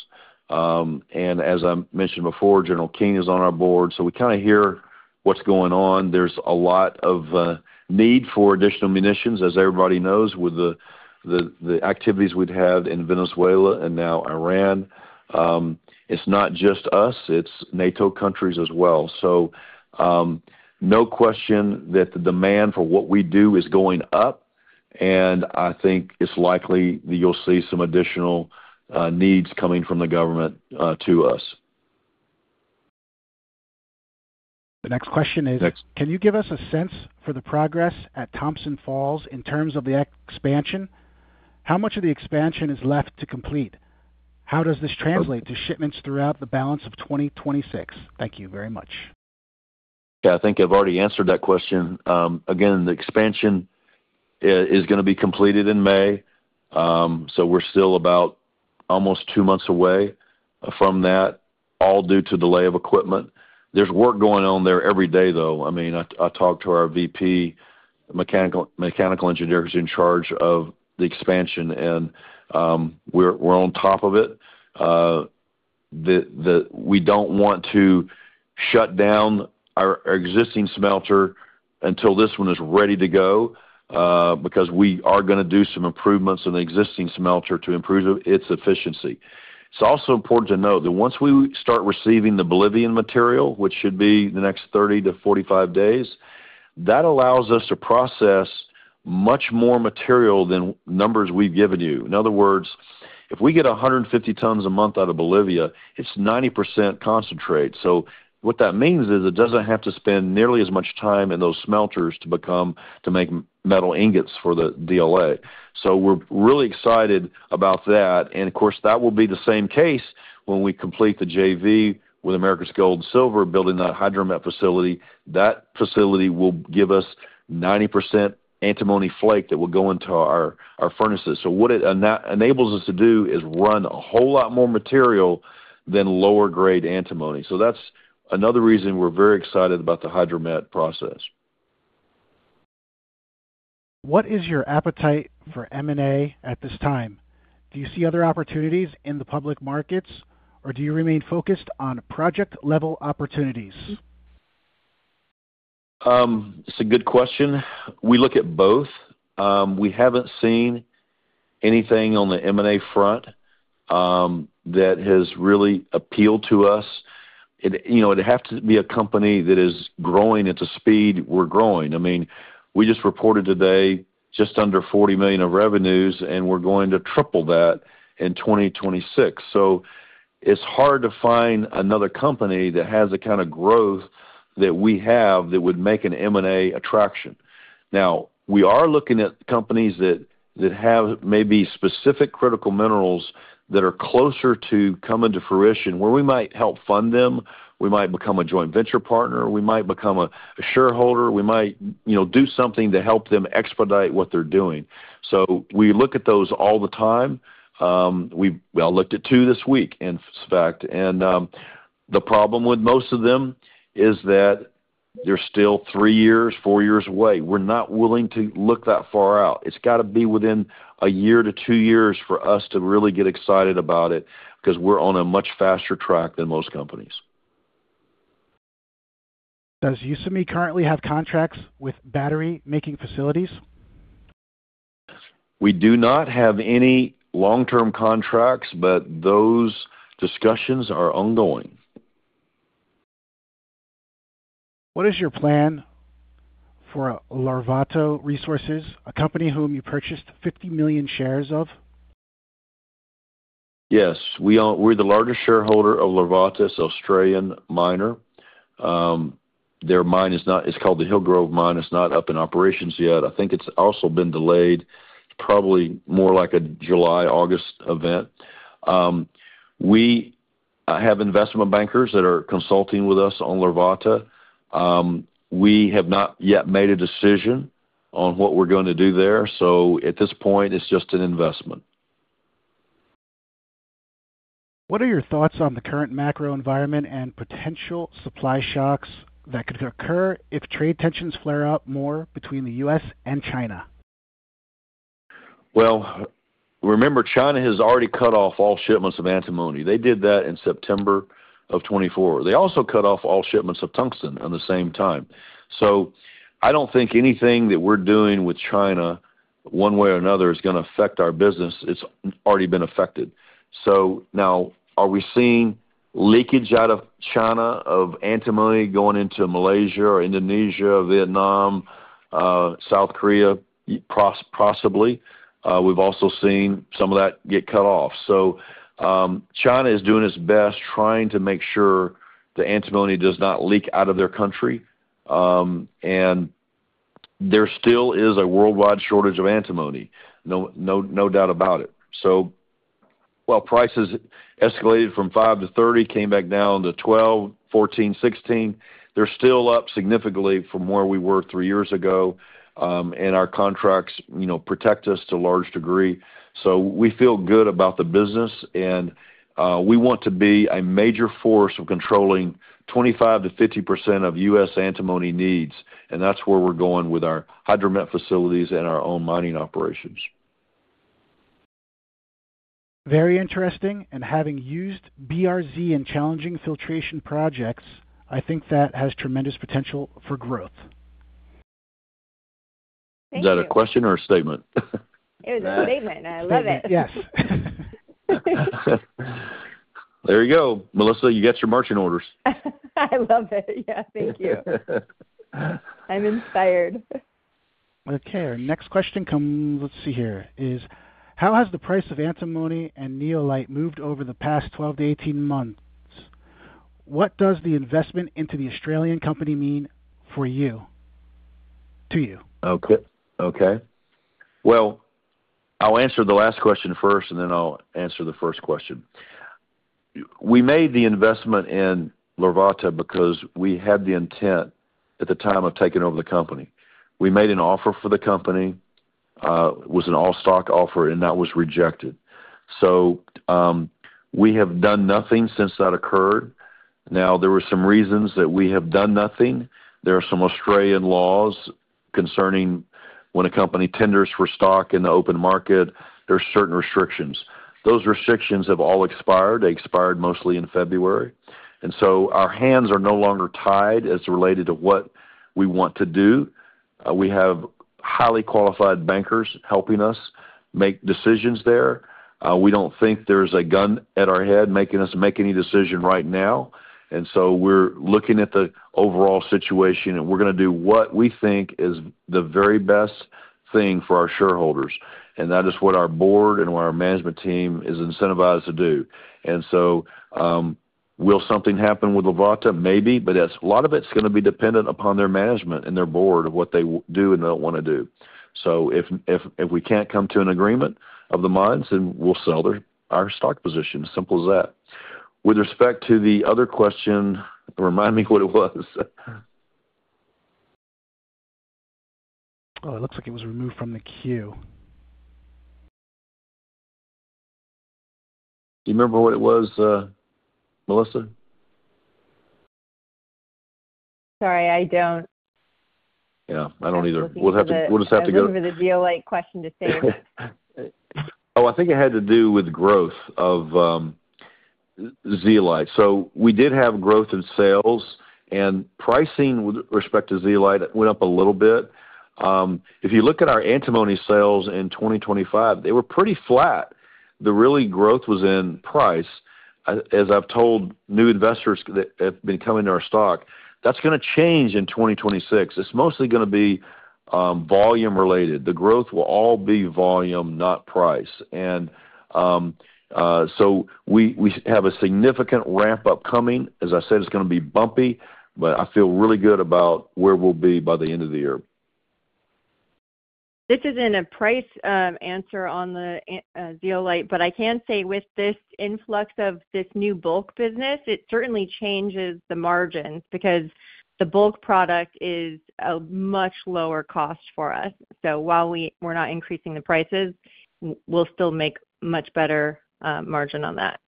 and as I mentioned before, General Keane is on our Board, so we kinda hear what's going on. There's a lot of need for additional munitions, as everybody knows, with the activities we'd had in Venezuela and now Iran. It's not just us, it's NATO countries as well. No question that the demand for what we do is going up, and I think it's likely that you'll see some additional needs coming from the government to us. The next question is. Next. Can you give us a sense for the progress at Thompson Falls in terms of the expansion? How much of the expansion is left to complete? How does this translate to shipments throughout the balance of 2026? Thank you very much. Yeah, I think I've already answered that question. Again, the expansion is gonna be completed in May, so we're still about almost two months away from that, all due to delay of equipment. There's work going on there every day, though. I mean, I talked to our VP Mechanical Engineer who's in charge of the expansion, and we're on top of it. We don't want to shut down our existing smelter until this one is ready to go, because we are gonna do some improvements in the existing smelter to improve its efficiency. It's also important to note that once we start receiving the Bolivian material, which should be the next 30-45 days. That allows us to process much more material than numbers we've given you. In other words, if we get 150 tons a month out of Bolivia, it's 90% concentrate. What that means is it doesn't have to spend nearly as much time in those smelters to make metal ingots for the DLA. We're really excited about that. Of course, that will be the same case when we complete the JV with Americas Gold and Silver, building that hydromet facility. That facility will give us 90% antimony flake that will go into our furnaces. What it enables us to do is run a whole lot more material than lower grade antimony. That's another reason we're very excited about the hydromet process. What is your appetite for M&A at this time? Do you see other opportunities in the public markets, or do you remain focused on project-level opportunities? It's a good question. We look at both. We haven't seen anything on the M&A front that has really appealed to us. It, you know, it'd have to be a company that is growing at the speed we're growing. I mean, we just reported today just under $40 million in revenues, and we're going to triple that in 2026. It's hard to find another company that has the kind of growth that we have that would make an M&A attraction. Now, we are looking at companies that have maybe specific critical minerals that are closer to coming to fruition, where we might help fund them, we might become a joint venture partner, we might become a shareholder. We might, you know, do something to help them expedite what they're doing. We look at those all the time. I looked at two this week, in fact, and the problem with most of them is that they're still three years, four years away. We're not willing to look that far out. It's got to be within a year to two years for us to really get excited about it, 'cause we're on a much faster track than most companies. Does UAMY currently have contracts with battery making facilities? We do not have any long-term contracts, but those discussions are ongoing. What is your plan for Larvotto Resources, a company whom you purchased 50 million shares of? Yes. We're the largest shareholder of Larvotto, an Australian miner. It's called the Hillgrove Mine. It's not up in operations yet. I think it's also been delayed, probably more like a July, August event. We have investment bankers that are consulting with us on Larvotto. We have not yet made a decision on what we're gonna do there. At this point, it's just an investment. What are your thoughts on the current macro environment and potential supply shocks that could occur if trade tensions flare up more between the U.S. and China? Remember, China has already cut off all shipments of antimony. They did that in September of 2024. They also cut off all shipments of tungsten at the same time. I don't think anything that we're doing with China one way or another is gonna affect our business. It's already been affected. Now are we seeing leakage out of China of antimony going into Malaysia or Indonesia, Vietnam, South Korea? Possibly. We've also seen some of that get cut off. China is doing its best trying to make sure the antimony does not leak out of their country. And there still is a worldwide shortage of antimony, no doubt about it. While prices escalated from $5- $30, came back down to $12, $14, $16, they're still up significantly from where we were three years ago. Our contracts, you know, protect us to a large degree. We feel good about the business and we want to be a major force of controlling 25%-50% of U.S. antimony needs, and that's where we're going with our hydromet facilities and our own mining operations. Very interesting. Having used BRZ in challenging filtration projects, I think that has tremendous potential for growth. Is that a question or a statement? It was a statement. I love it. Yes. There you go. Melissa, you got your marching orders. I love it. Yeah. Thank you. I'm inspired. Okay. Our next question comes, let's see here, is: How has the price of antimony and zeolite moved over the past 12-18 months? What does the investment into the Australian company mean to you? Okay. Well, I'll answer the last question first, and then I'll answer the first question. We made the investment in Larvotto because we had the intent at the time of taking over the company. We made an offer for the company, it was an all-stock offer, and that was rejected. We have done nothing since that occurred. Now, there were some reasons that we have done nothing. There are some Australian laws concerning when a company tenders for stock in the open market, there are certain restrictions. Those restrictions have all expired. They expired mostly in February, and so our hands are no longer tied as related to what we want to do. We have highly qualified bankers helping us make decisions there. We don't think there's a gun at our head making us make any decision right now. We're looking at the overall situation, and we're gonna do what we think is the very best thing for our shareholders, and that is what our board and what our management team is incentivized to do. Will something happen with Larvotto? Maybe. That's a lot of it's gonna be dependent upon their management and their board of what they do and don't wanna do. If we can't come to an agreement of the minds, then we'll sell our stock position. Simple as that. With respect to the other question, remind me what it was. Oh, it looks like it was removed from the queue. Do you remember what it was, Melissa? Sorry, I don't. Yeah, I don't either. I'm looking for the. We'll just have to go. I'm looking for the zeolite question to save. I think it had to do with growth of zeolite. We did have growth in sales and pricing with respect to zeolite went up a little bit. If you look at our antimony sales in 2025, they were pretty flat. The real growth was in price. As I've told new investors that have been coming to our stock, that's gonna change in 2026. It's mostly gonna be volume related. The growth will all be volume, not price. We have a significant ramp up coming. As I said, it's gonna be bumpy, but I feel really good about where we'll be by the end of the year. This isn't a price answer on the zeolite, but I can say with this influx of this new bulk business, it certainly changes the margins because the bulk product is a much lower cost for us. While we're not increasing the prices, we'll still make much better margin on that.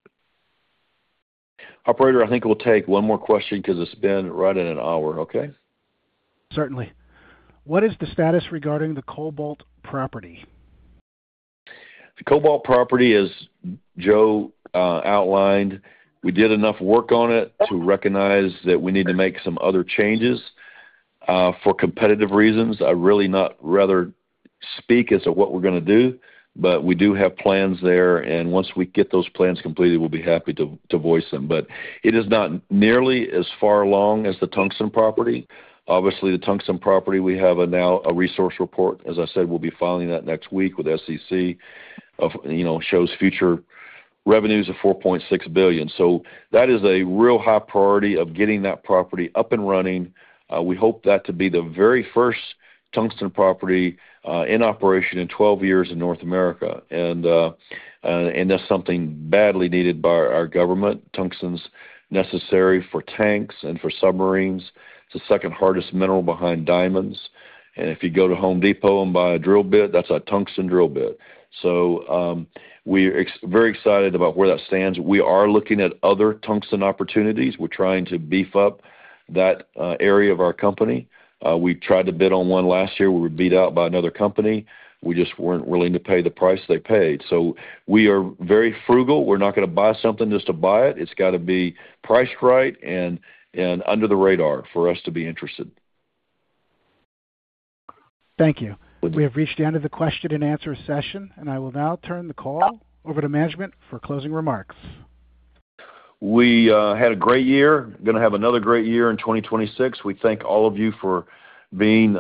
Operator, I think we'll take one more question 'cause it's been right at an hour. Okay? Certainly. What is the status regarding the cobalt property? The cobalt property, as Joe Bardswich outlined, we did enough work on it to recognize that we need to make some other changes. For competitive reasons, I'd really not rather speak as to what we're gonna do, but we do have plans there, and once we get those plans completed, we'll be happy to voice them. It is not nearly as far along as the tungsten property. Obviously, the tungsten property, we have a resource report. As I said, we'll be filing that next week with SEC. You know, shows future revenues of $4.6 billion. That is a real high priority of getting that property up and running. We hope that to be the very first tungsten property in operation in 12 years in North America, and that's something badly needed by our government. Tungsten's necessary for tanks and for submarines. It's the second hardest mineral behind diamonds. If you go to Home Depot and buy a drill bit, that's a tungsten drill bit. We're very excited about where that stands. We are looking at other tungsten opportunities. We're trying to beef up that area of our company. We tried to bid on one last year. We were beat out by another company. We just weren't willing to pay the price they paid. We are very frugal. We're not gonna buy something just to buy it. It's gotta be priced right and under the radar for us to be interested. Thank you. We have reached the end of the question-and-answer session, and I will now turn the call over to management for closing remarks. We had a great year. Gonna have another great year in 2026. We thank all of you for being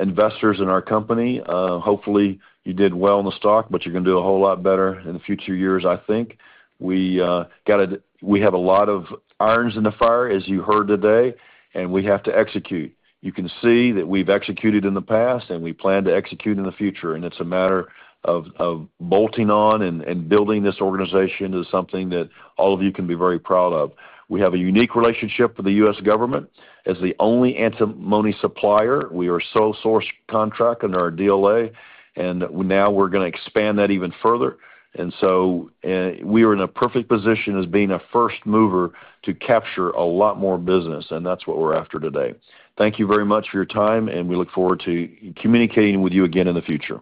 investors in our company. Hopefully you did well in the stock, but you're gonna do a whole lot better in the future years, I think. We have a lot of irons in the fire, as you heard today, and we have to execute. You can see that we've executed in the past, and we plan to execute in the future. It's a matter of bolting on and building this organization to something that all of you can be very proud of. We have a unique relationship with the U.S. government as the only antimony supplier. We are sole source contract under our DLA, and now we're gonna expand that even further. We are in a perfect position as being a first mover to capture a lot more business, and that's what we're after today. Thank you very much for your time, and we look forward to communicating with you again in the future.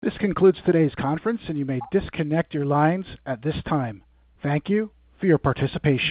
This concludes today's conference, and you may disconnect your lines at this time. Thank you for your participation.